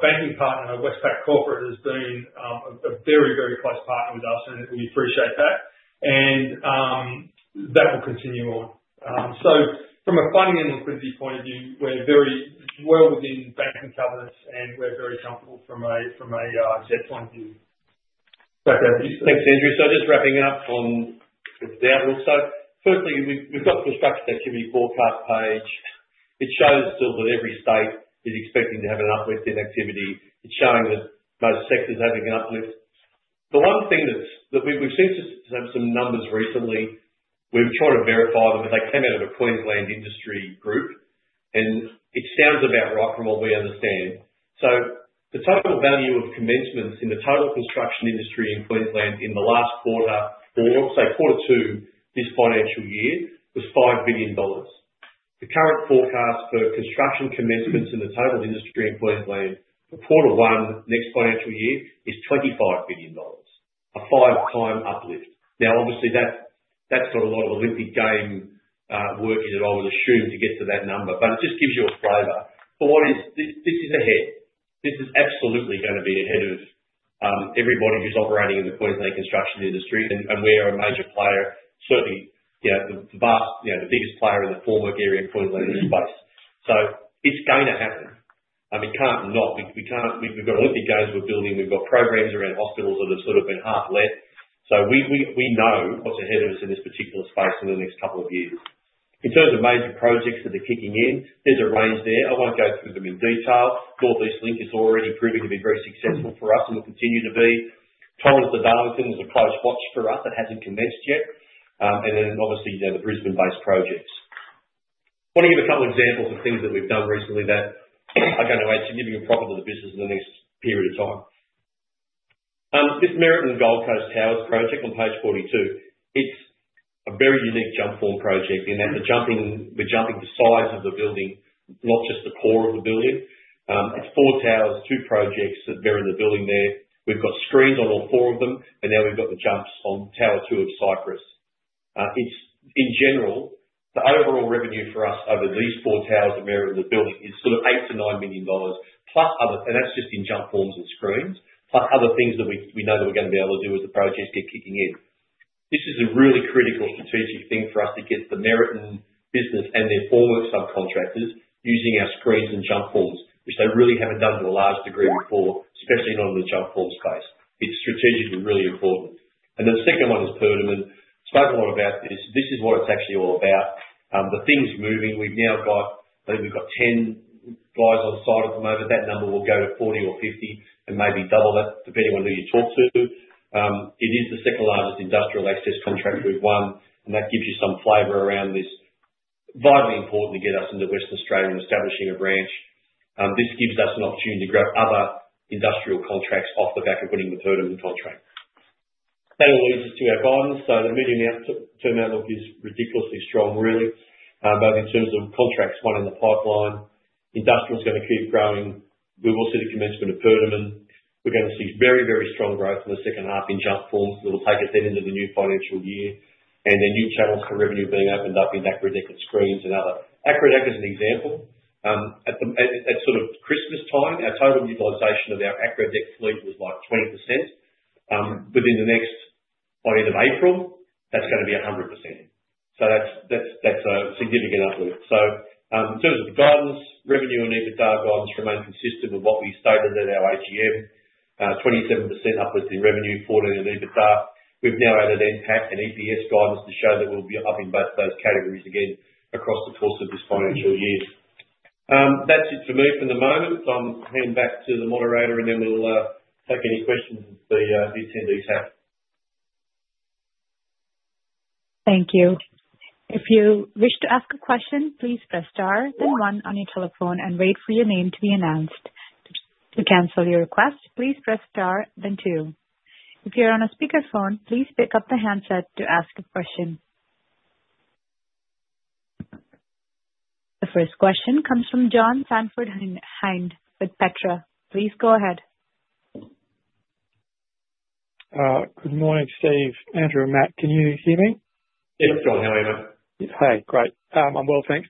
[SPEAKER 4] banking partner, Westpac, has been a very, very close partner with us, and we appreciate that. That will continue on. From a funding and liquidity point of view, we're very well within banking governance, and we're very comfortable from a debt point of view.
[SPEAKER 2] Thanks, Andrew. Just wrapping up on the debt also. Firstly, we've got the structured activity forecast page. It shows still that every state is expecting to have an uplift in activity. It's showing that most sectors are having an uplift. The one thing that we've seen some numbers recently, we've tried to verify them, but they came out of a Queensland industry group, and it sounds about right from what we understand. The total value of commencements in the total construction industry in Queensland in the last quarter, or say quarter two this financial year, was 5 billion dollars. The current forecast for construction commencements in the total industry in Queensland for quarter one next financial year is 25 billion dollars, a five-time uplift. Now, obviously, that's got a lot of Olympic game work in it, I would assume, to get to that number. It just gives you a flavor. This is ahead. This is absolutely going to be ahead of everybody who's operating in the Queensland construction industry, and we are a major player, certainly the biggest player in the formwork area of Queensland in this space. It's going to happen. We can't not. We've got Olympic Games we're building. We've got programs around hospitals that have sort of been half let. We know what's ahead of us in this particular space in the next couple of years. In terms of major projects that are kicking in, there's a range there. I won't go through them in detail. North East Link is already proving to be very successful for us and will continue to be. Torrens to Darlington is a close watch for us. It hasn't commenced yet. Obviously, the Brisbane-based projects. I want to give a couple of examples of things that we've done recently that are going to add significant profit to the business in the next period of time. This Meriton Gold Coast Towers project on page 42, it's a very unique jumpform project in that we're jumping the size of the building, not just the core of the building. It's four towers, two projects that mirror the building there. We've got screens on all four of them, and now we've got the jumps on tower two of Cypress. In general, the overall revenue for us over these four towers that mirror the building is sort of 8 million-9 million dollars, plus other—and that's just in jumpforms and screens—plus other things that we know that we're going to be able to do as the projects get kicking in. This is a really critical strategic thing for us to get the Meriton business and their former subcontractors using our screens and jumpforms, which they really haven't done to a large degree before, especially not in the jumpform space. It's strategically really important. The second one is Perdaman. I spoke a lot about this. This is what it's actually all about. The thing's moving. We've now got—I think we've got 10 guys on site at the moment. That number will go to 40 or 50 and maybe double that depending on who you talk to. It is the second largest industrial access contract we've won, and that gives you some flavor around this. Vitally important to get us into Western Australia and establishing a branch. This gives us an opportunity to grow other industrial contracts off the back of winning the Perdaman contract. That alludes us to our guidance. The medium-term outlook is ridiculously strong, really, both in terms of contracts won and the pipeline. Industrial is going to keep growing. We will see the commencement of Perdaman. We are going to see very, very strong growth in the second half in jumpforms. We will take it then into the new financial year. New channels for revenue are being opened up in AcrowDeck and screens and other. AcrowDeck is an example. At sort of Christmas time, our total utilization of our AcrowDeck fleet was like 20%. Within the next, by the end of April, that is going to be 100%. That is a significant uplift. In terms of the guidance, revenue and EBITDA guidance remain consistent with what we stated at our AGM, 27% uplift in revenue, 40% in EBITDA. We've now added NPAT and EPS guidance to show that we'll be upping both those categories again across the course of this financial year. That's it for me for the moment. I'll hand back to the moderator, and then we'll take any questions that the attendees have.
[SPEAKER 1] Thank you. If you wish to ask a question, please press star, then one on your telephone, and wait for your name to be announced. To cancel your request, please press star, then two. If you're on a speakerphone, please pick up the handset to ask a question. The first question comes from John Stanford Hynd with Petra. Please go ahead.
[SPEAKER 5] Good morning, Steve, Andrew, and Matt. Can you hear me?
[SPEAKER 2] Yep, John, how are you, mate?
[SPEAKER 5] Yep. Hey, great. I'm well, thanks.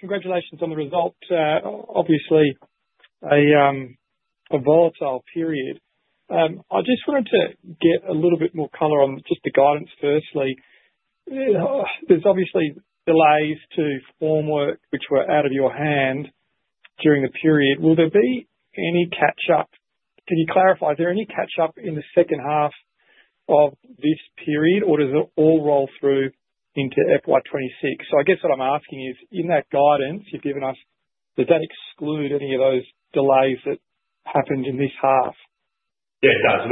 [SPEAKER 5] Congratulations on the result. Obviously, a volatile period. I just wanted to get a little bit more color on just the guidance firstly. There's obviously delays to formwork, which were out of your hand during the period. Will there be any catch-up? Can you clarify, is there any catch-up in the second half of this period, or does it all roll through into FY 2026? I guess what I'm asking is, in that guidance you've given us, does that exclude any of those delays that happened in this half?
[SPEAKER 2] Yeah, it does.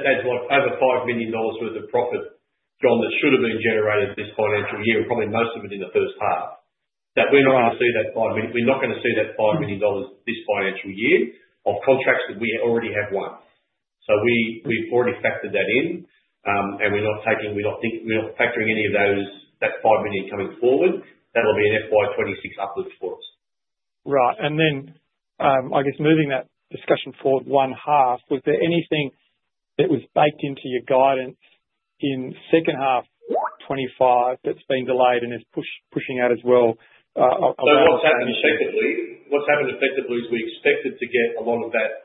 [SPEAKER 2] That's what, over 5 million dollars worth of profit, John, that should have been generated this financial year, and probably most of it in the first half. That we're not going to see that 5 million—we're not going to see that 5 million dollars this financial year of contracts that we already have won. We have already factored that in, and we're not factoring any of that 5 million coming forward. That will be an FY2026 uplift for us.
[SPEAKER 5] Right. I guess, moving that discussion forward one half, was there anything that was baked into your guidance in second half 2025 that's been delayed and is pushing out as well?
[SPEAKER 2] What's happened effectively is we expected to get a lot of that.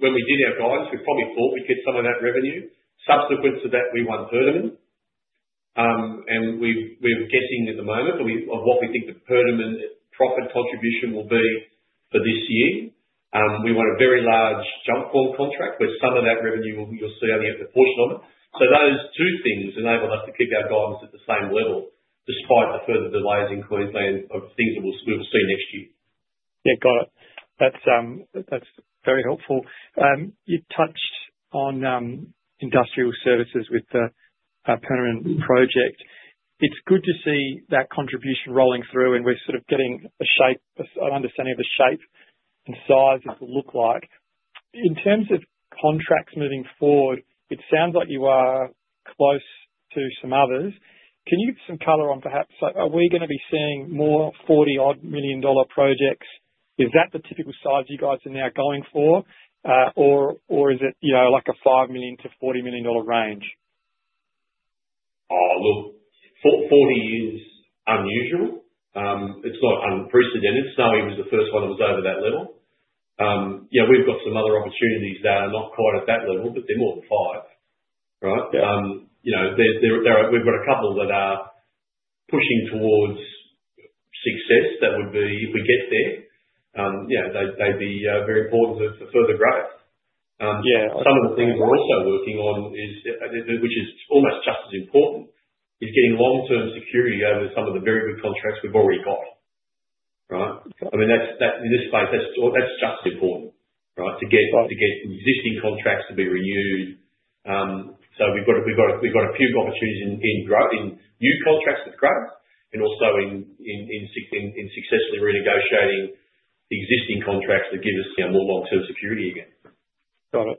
[SPEAKER 2] When we did our guidance, we probably thought we'd get some of that revenue. Subsequent to that, we won Perdaman, and we're guessing at the moment of what we think the Perdaman profit contribution will be for this year. We won a very large jumpform contract where some of that revenue you'll see only a proportion of it. Those two things enabled us to keep our guidance at the same level despite the further delays in Queensland of things that we will see next year.
[SPEAKER 5] Yeah, got it. That's very helpful. You touched on industrial services with the Perdaman project. It's good to see that contribution rolling through, and we're sort of getting an understanding of the shape and size it will look like. In terms of contracts moving forward, it sounds like you are close to some others. Can you give some color on perhaps are we going to be seeing more 40 million dollar projects? Is that the typical size you guys are now going for, or is it like an 5 million-40 million dollar range?
[SPEAKER 2] Look, 40 is unusual. It's not unprecedented. Snowy was the first one that was over that level. We've got some other opportunities that are not quite at that level, but they're more than five, right? We've got a couple that are pushing towards success that would be, if we get there, they'd be very important for further growth. Some of the things we're also working on, which is almost just as important, is getting long-term security over some of the very good contracts we've already got, right? I mean, in this space, that's just important, right, to get existing contracts to be renewed. We've got a few opportunities in new contracts with Crown and also in successfully renegotiating existing contracts that give us more long-term security again.
[SPEAKER 5] Got it.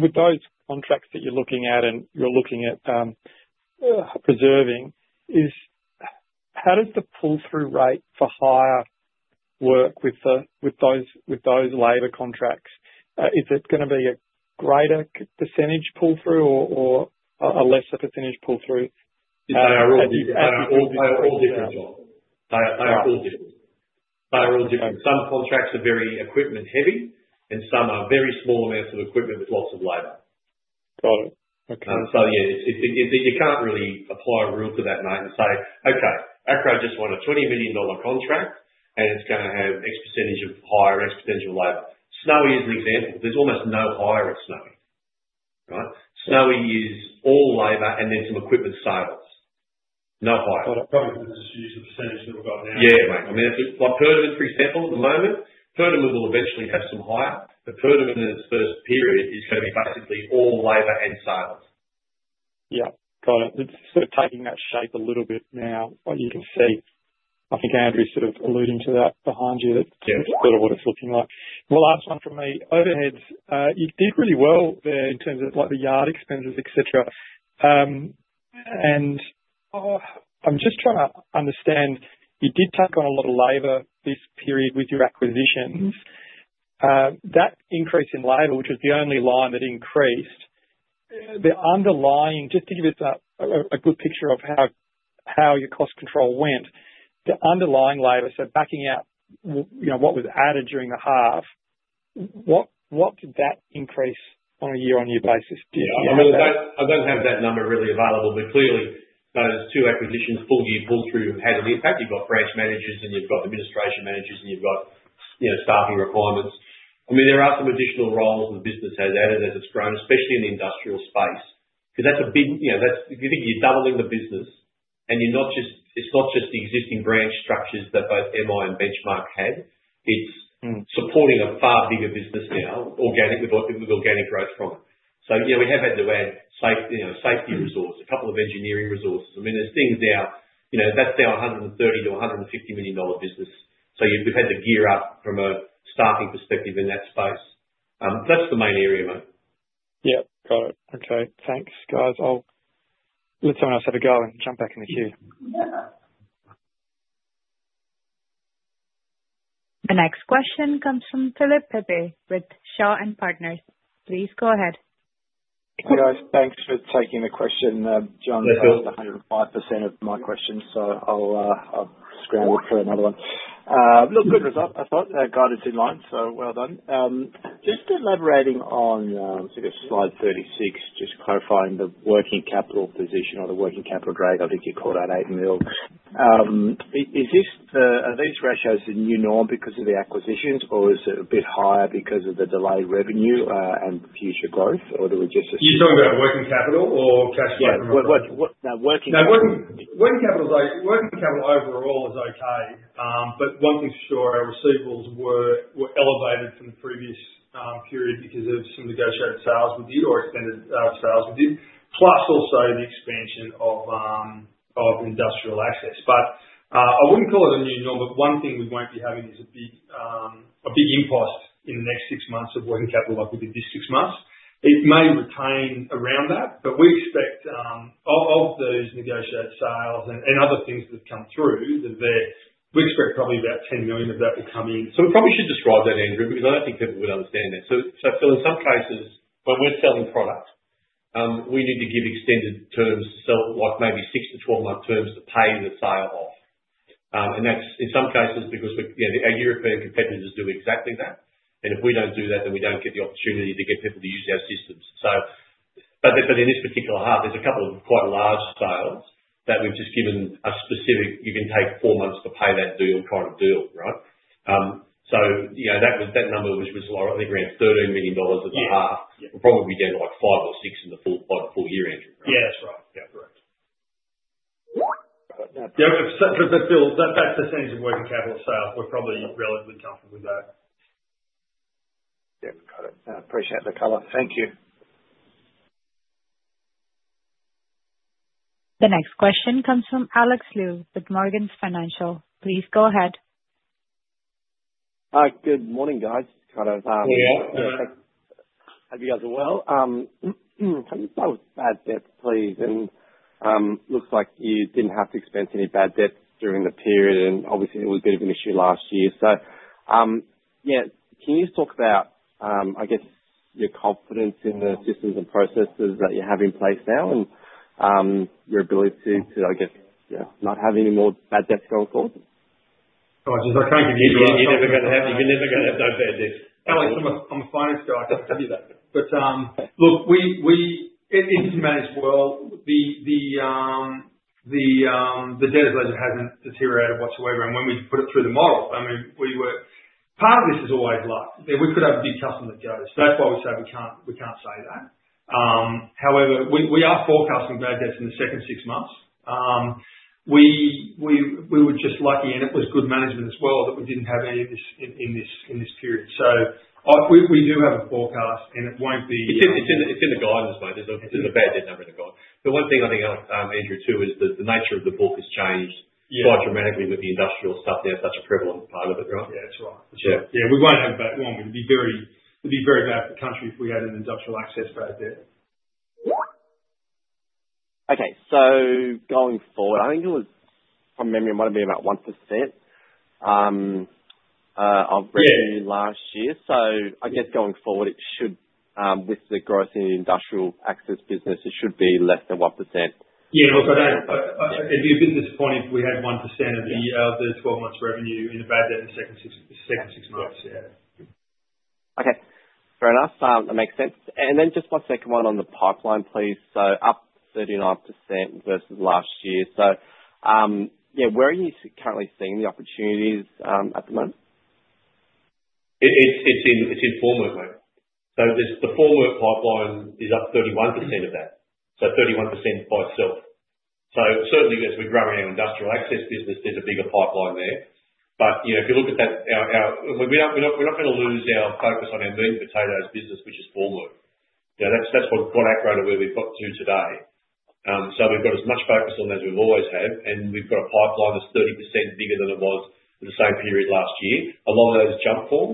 [SPEAKER 5] With those contracts that you're looking at and you're looking at preserving, how does the pull-through rate for hire work with those labor contracts? Is it going to be a greater percentage pull-through or a lesser percentage pull-through?
[SPEAKER 2] They are all different. Some contracts are very equipment-heavy, and some are very small amounts of equipment with lots of labor.
[SPEAKER 5] Got it. Okay.
[SPEAKER 2] Yeah, you can't really apply a rule to that, mate, and say, "Okay, Acrow just won a 20 million dollar contract, and it's going to have X % of hire, X % of labor." Snowy is an example. There's almost no hire at Snowy, right? Snowy is all labor and then some equipment sales. No hire.
[SPEAKER 5] Got it. Probably just use the % that we've got now.
[SPEAKER 2] Yeah, mate. I mean, Perdaman, for example, at the moment, Perdaman will eventually have some hire, but Perdaman in its first period is going to be basically all labor and sales.
[SPEAKER 5] Yeah. Got it. It's sort of taking that shape a little bit now. You can see, I think Andrew's sort of alluding to that behind you. That's sort of what it's looking like. One last one from me. Overhead, you did really well there in terms of the yard expenses, etc. I'm just trying to understand. You did take on a lot of labor this period with your acquisitions. That increase in labor, which was the only line that increased, just to give you a good picture of how your cost control went, the underlying labor, so backing out what was added during the half, what did that increase on a year-on-year basis do?
[SPEAKER 2] I don't have that number really available, but clearly those two acquisitions, full year pull-through, had an impact. You've got branch managers, and you've got administration managers, and you've got staffing requirements. I mean, there are some additional roles the business has added as it's grown, especially in the industrial space. Because that's a big—if you think you're doubling the business, and it's not just the existing branch structures that both MI and Benchmark had, it's supporting a far bigger business now with organic growth from it. We have had to add safety resources, a couple of engineering resources. I mean, there's things now—that's now an 130 million-150 million dollar business. We have had to gear up from a staffing perspective in that space. That's the main area, mate.
[SPEAKER 5] Yeah. Got it. Okay. Thanks, guys. Let someone else have a go and jump back in the queue.
[SPEAKER 1] The next question comes from Philip Pepe with Shaw & Partners. Please go ahead.
[SPEAKER 6] Thanks for taking the question, John. That was 105% of my question, so I'll scramble for another one. Look, good result. I thought that guidance in line, so well done. Just elaborating on—this is slide 36, just clarifying the working capital position or the working capital grade. I think you called out 8 million. Are these ratios a new norm because of the acquisitions, or is it a bit higher because of the delayed revenue and future growth, or do we just assume?
[SPEAKER 4] You're talking about working capital or cash flow from revenue? No, working capital. Working capital overall is okay, but one thing's for sure, our receivables were elevated from the previous period because of some negotiated sales with you or extended sales with you, plus also the expansion of industrial access. I wouldn't call it a new norm, but one thing we won't be having is a big impost in the next six months of working capital like we did this six months. It may retain around that, but we expect of those negotiated sales and other things that have come through, we expect probably about 10 million of that will come in.
[SPEAKER 2] We probably should describe that, Andrew, because I don't think people would understand that. In some cases, when we're selling product, we need to give extended terms to sell, like maybe six to 12 month terms to pay the sale off. That is in some cases because our European competitors do exactly that. If we do not do that, then we do not get the opportunity to get people to use our systems. In this particular half, there are a couple of quite large sales that we have just given a specific, "You can take four months to pay that deal kind of deal," right? That number was, I think, around 13 million dollars at the half. We are probably down to like five or six by the full year, Andrew.
[SPEAKER 4] Yeah, that is right. Yeah, correct. That percentage of working capital sales, we are probably relatively comfortable with that.
[SPEAKER 6] Yeah, got it. Appreciate the color. Thank you.
[SPEAKER 1] The next question comes from Alex Lu with Morgans Financial. Please go ahead.
[SPEAKER 7] Good morning, guys.
[SPEAKER 2] Good morning.
[SPEAKER 3] How are you?
[SPEAKER 7] Hope you guys are well. Tell us about bad debt, please. It looks like you did not have to expense any bad debt during the period, and obviously, it was a bit of an issue last year. Can you just talk about, I guess, your confidence in the systems and processes that you have in place now and your ability to, I guess, not have any more bad debt going forward?
[SPEAKER 3] Oh, I cannot give you any idea. You are never going to have no bad debt.
[SPEAKER 4] Alex, I am a finance guy. I cannot give you that. Look, it is managed well. The debt has not deteriorated whatsoever. When we put it through the model, I mean, part of this is always luck that we could have a big customer that goes. That is why we say we cannot say that. However, we are forecasting bad debts in the second six months. We were just lucky and it was good management as well that we did not have any in this period. We do have a forecast, and it will not be.
[SPEAKER 2] It is in the guidance, mate. It is in the bad debt number in the guidance. The one thing I think I will add, Andrew, too, is that the nature of the book has changed quite dramatically with the industrial stuff now, such a prevalent part of it, right?
[SPEAKER 4] Yeah, that is right. Yeah, we will not have a bad one. It would be very bad for the country if we had an industrial access bad debt.
[SPEAKER 7] Okay. Going forward, I think it was, if I'm remembering, it might have been about 1% of
[SPEAKER 2] Yeah
[SPEAKER 7] revenue last year. I guess going forward, with the growth in the industrial access business, it should be less than 1%.
[SPEAKER 4] Yeah. Look, I don't—it'd be a bit disappointing if we had 1% of the 12-month revenue in the bad debt in the second six months. Yeah.
[SPEAKER 7] Okay. Fair enough. That makes sense. Just one second, one on the pipeline, please. Up 39% versus last year. Yeah, where are you currently seeing the opportunities at the moment?
[SPEAKER 2] It's in formwork, mate. The formwork pipeline is up 31% of that. 31% by itself. Certainly, as we grow our industrial access business, there's a bigger pipeline there. If you look at that, we're not going to lose our focus on our meat and potatoes business, which is formwork. That's what Acrow and we've got to do today. We've got as much focus on that as we've always had, and we've got a pipeline that's 30% bigger than it was in the same period last year. A lot of that is jumpform,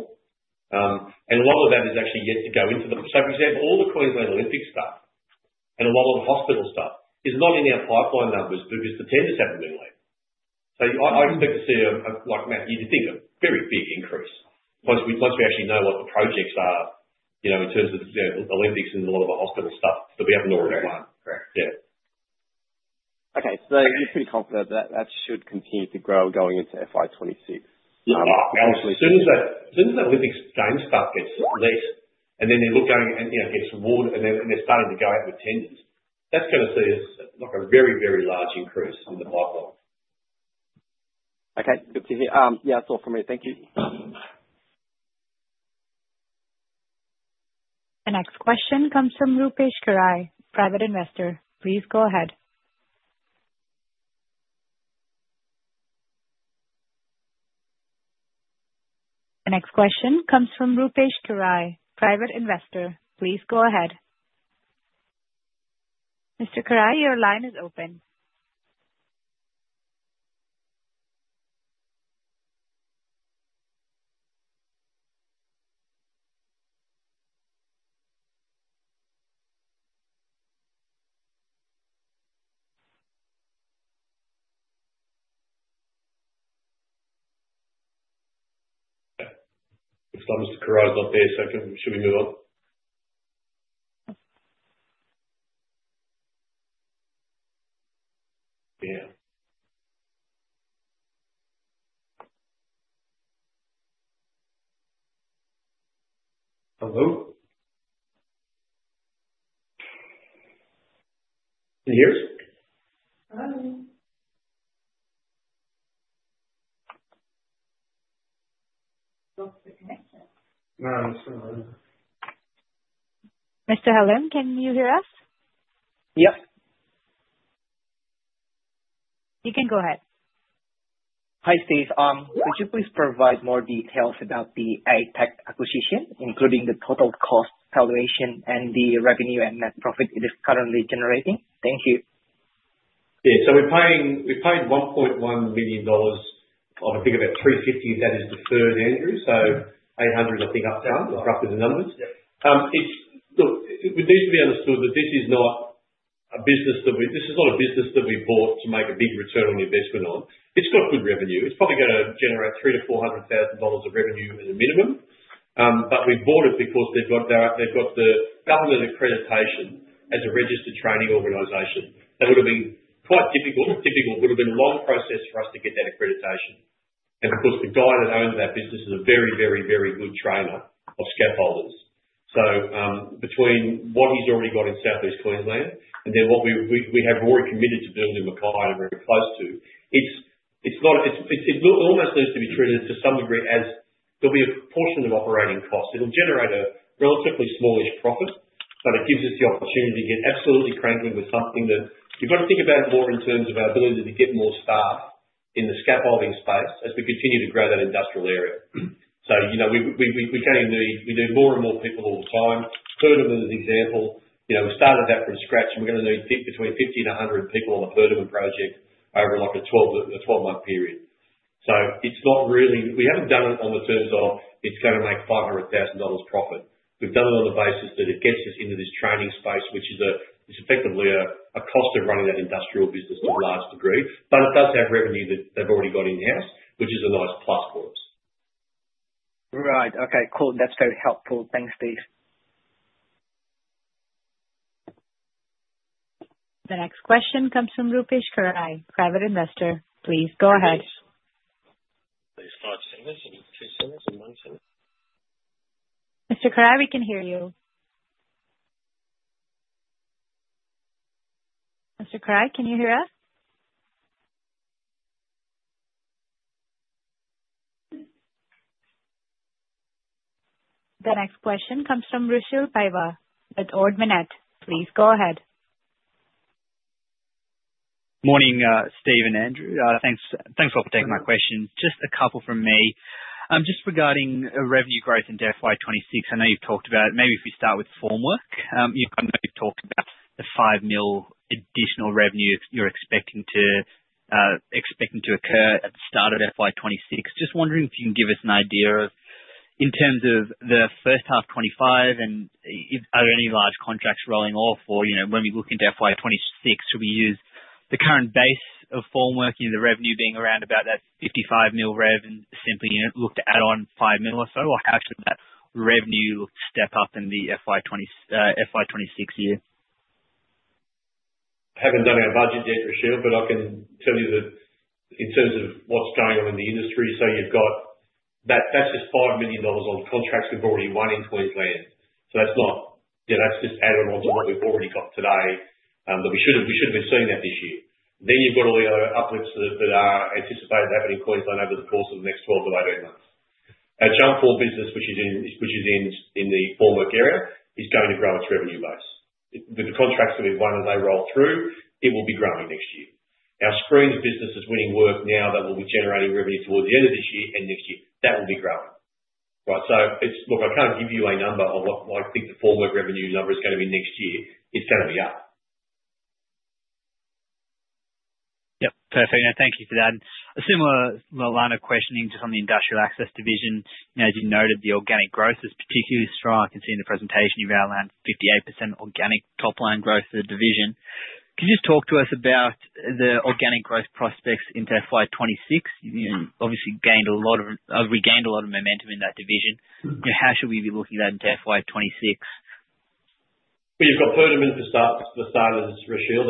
[SPEAKER 2] and a lot of that is actually yet to go into the—so, for example, all the Queensland Olympic stuff and a lot of the hospital stuff is not in our pipeline numbers because the tenders haven't been let. I expect to see a, like, mate, you'd think a very big increase once we actually know what the projects are in terms of Olympics and a lot of the hospital stuff that we haven't already done.
[SPEAKER 3] Correct. Correct.
[SPEAKER 7] Yeah. Okay. You're pretty confident that that should continue to grow going into FY 2026?
[SPEAKER 2] Yeah. As soon as that Olympics game stuff gets released, and then they look at it and get some water, and they're starting to go out with tenders, that's going to see a very, very large increase in the pipeline.
[SPEAKER 7] Okay. Good to hear. Yeah, that's all from me. Thank you.
[SPEAKER 1] The next question comes from Rupesh Kurai, private investor. Please go ahead. The next question comes from Rupesh Kurai, private investor. Please go ahead. Mr. Kurai, your line is open.
[SPEAKER 2] If Mr. Kurai's not there a second, should we move on? Yeah. Hello? Can you hear us?
[SPEAKER 1] Hello. Lost the connection.
[SPEAKER 2] No, I'm still on.
[SPEAKER 1] Mr. Helem, can you hear us? Yep. You can go ahead. Hi, Steve. Could you please provide more details about the ATEC acquisition, including the total cost valuation and the revenue and net profit it is currently generating? Thank you.
[SPEAKER 2] Yeah. We paid 1.1 million dollars. I think about 350 of that is deferred, Andrew, so 800, I think, up down, roughly the numbers. Look, it needs to be understood that this is not a business that we—this is not a business that we bought to make a big return on investment on. It has good revenue. It is probably going to generate 300,000-400,000 dollars of revenue at a minimum. We bought it because they have the government accreditation as a registered training organization. That would have been quite difficult. Typical would have been a long process for us to get that accreditation. Of course, the guy that owns that business is a very, very, very good trainer of scaffolders. Between what he's already got in Southeast Queensland and then what we have already committed to building in Mackay and are very close to, it almost needs to be treated to some degree as there will be a portion of operating costs. It will generate a relatively smallish profit, but it gives us the opportunity to get absolutely cranking with something that you have to think about more in terms of our ability to get more staff in the scaffolding space as we continue to grow that industrial area. We are going to need—we need more and more people all the time. Perdaman is an example. We started that from scratch, and we are going to need between 50 and 100 people on a Perdaman project over a 12-month period. It is not really—we have not done it on the terms of, "It is going to make $500,000 profit." We have done it on the basis that it gets us into this training space, which is effectively a cost of running that industrial business to a large degree. It does have revenue that they have already got in-house, which is a nice plus for us. Right. Okay. Cool. That's very helpful. Thanks, Steve.
[SPEAKER 1] The next question comes from Rupesh Kurai, private investor. Please go ahead. Please. Five seconds. Two seconds and one second. Mr. Kurai, we can hear you. Mr. Kurai, can you hear us? The next question comes from Rachel Paiva at Ord Minnett. Please go ahead.
[SPEAKER 8] Morning, Steve and Andrew. Thanks for taking my questions. Just a couple from me. Just regarding revenue growth in FY 2026, I know you've talked about it. Maybe if we start with formwork, you've talked about the 5 million additional revenue you're expecting to occur at the start of FY 2026. Just wondering if you can give us an idea in terms of the first half 2025, and are there any large contracts rolling off? When we look into FY 2026, should we use the current base of formwork, the revenue being around about that 55 million revenue, simply look to add on 5 million or so? How should that revenue step up in the FY 2026 year?
[SPEAKER 2] Haven't done our budget yet, Rachel, but I can tell you that in terms of what's going on in the industry, you've got—that's just 5 million dollars on contracts we've already won in Queensland. That's just added on to what we've already got today. We should have been seeing that this year. You have all the other uplifts that are anticipated happening in Queensland over the course of the next 12 to 18 months. Our jumpform business, which is in the formwork area, is going to grow its revenue base. With the contracts that we've won as they roll through, it will be growing next year. Our screens business is winning work now that will be generating revenue towards the end of this year and next year. That will be growing. Right? I can't give you a number of what I think the formwork revenue number is going to be next year. It's going to be up.
[SPEAKER 8] Yep. Perfect. Thank you for that. A similar line of questioning just on the industrial access division. As you noted, the organic growth is particularly strong. I can see in the presentation you have outlined 58% organic top-line growth for the division. Can you just talk to us about the organic growth prospects into FY 2026? Obviously, we gained a lot of momentum in that division. How should we be looking at that into FY 2026?
[SPEAKER 2] You have got Perdaman for starters, Rachel.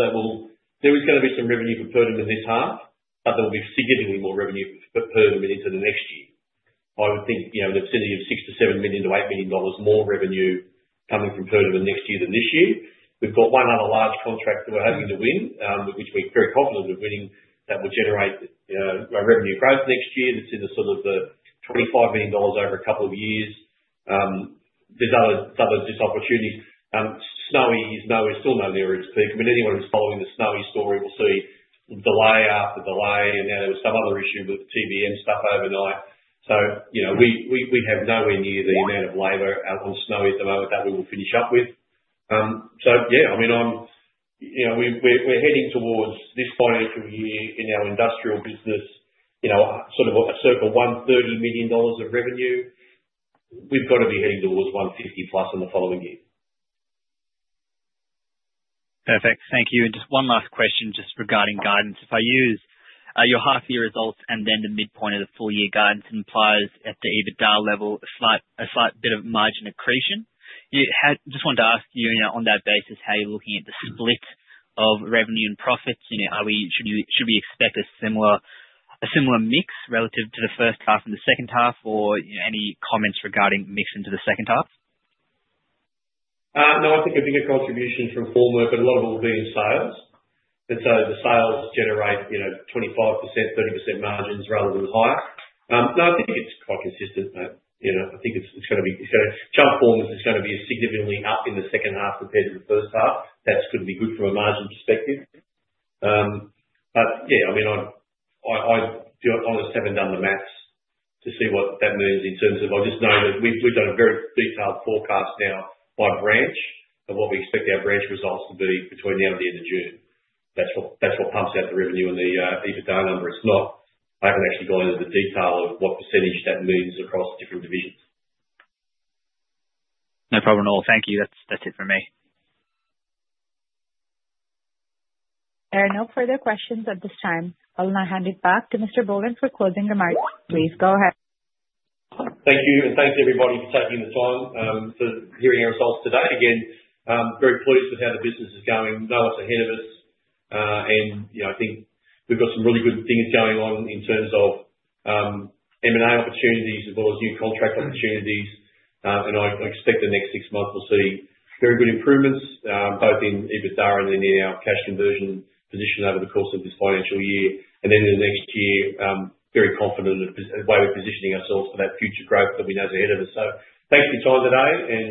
[SPEAKER 2] There is going to be some revenue for Perdaman this half, but there will be significantly more revenue for Perdaman into the next year. I would think an absentee of 6 million to 7 million to 8 million more revenue coming from Perdaman next year than this year. We have got one other large contract that we are hoping to win, which we are very confident we are winning, that will generate revenue growth next year. That is in the sort of 25 million dollars over a couple of years. There are other just opportunities. Snowy is still nowhere near its peak, but anyone who is following the Snowy story will see delay after delay. Now there was some other issue with TBM stuff overnight. We have nowhere near the amount of labor on Snowy at the moment that we will finish up with. Yeah, I mean, we're heading towards this financial year in our industrial business, sort of a circle of 130 million dollars of revenue. We've got to be heading towards 150 million plus in the following year.
[SPEAKER 8] Perfect. Thank you. Just one last question just regarding guidance. If I use your half-year results and then the midpoint of the full-year guidance, it implies at the EBITDA level a slight bit of margin accretion. Just wanted to ask you on that basis how you're looking at the split of revenue and profits. Should we expect a similar mix relative to the first half and the second half, or any comments regarding mixing to the second half?
[SPEAKER 2] No, I think a bigger contribution from formwork, but a lot of it will be in sales. The sales generate 25%-30% margins rather than higher. No, I think it's quite consistent, mate. I think jumpform is going to be significantly up in the second half compared to the first half. That could be good from a margin perspective. Yeah, I mean, I honestly haven't done the maths to see what that means in terms of, I just know that we've done a very detailed forecast now by branch of what we expect our branch results to be between now and the end of June. That's what pumps out the revenue and the EBITDA number. I haven't actually gone into the detail of what percentage that means across different divisions.
[SPEAKER 8] No problem at all. Thank you. That's it for me.
[SPEAKER 1] There are no further questions at this time. I'll now hand it back to Mr. Boland for closing remarks. Please go ahead.
[SPEAKER 2] Thank you. And thanks, everybody, for taking the time to hear our results today. Again, very pleased with how the business is going. We know what's ahead of us. I think we've got some really good things going on in terms of M&A opportunities as well as new contract opportunities. I expect the next six months we'll see very good improvements both in EBITDA and then in our cash conversion position over the course of this financial year. In the next year, very confident in the way we're positioning ourselves for that future growth that we know is ahead of us. Thanks for your time today, and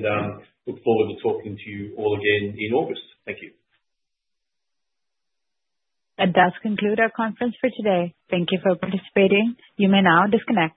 [SPEAKER 2] look forward to talking to you all again in August. Thank you.
[SPEAKER 1] That does conclude our conference for today. Thank you for participating. You may now disconnect.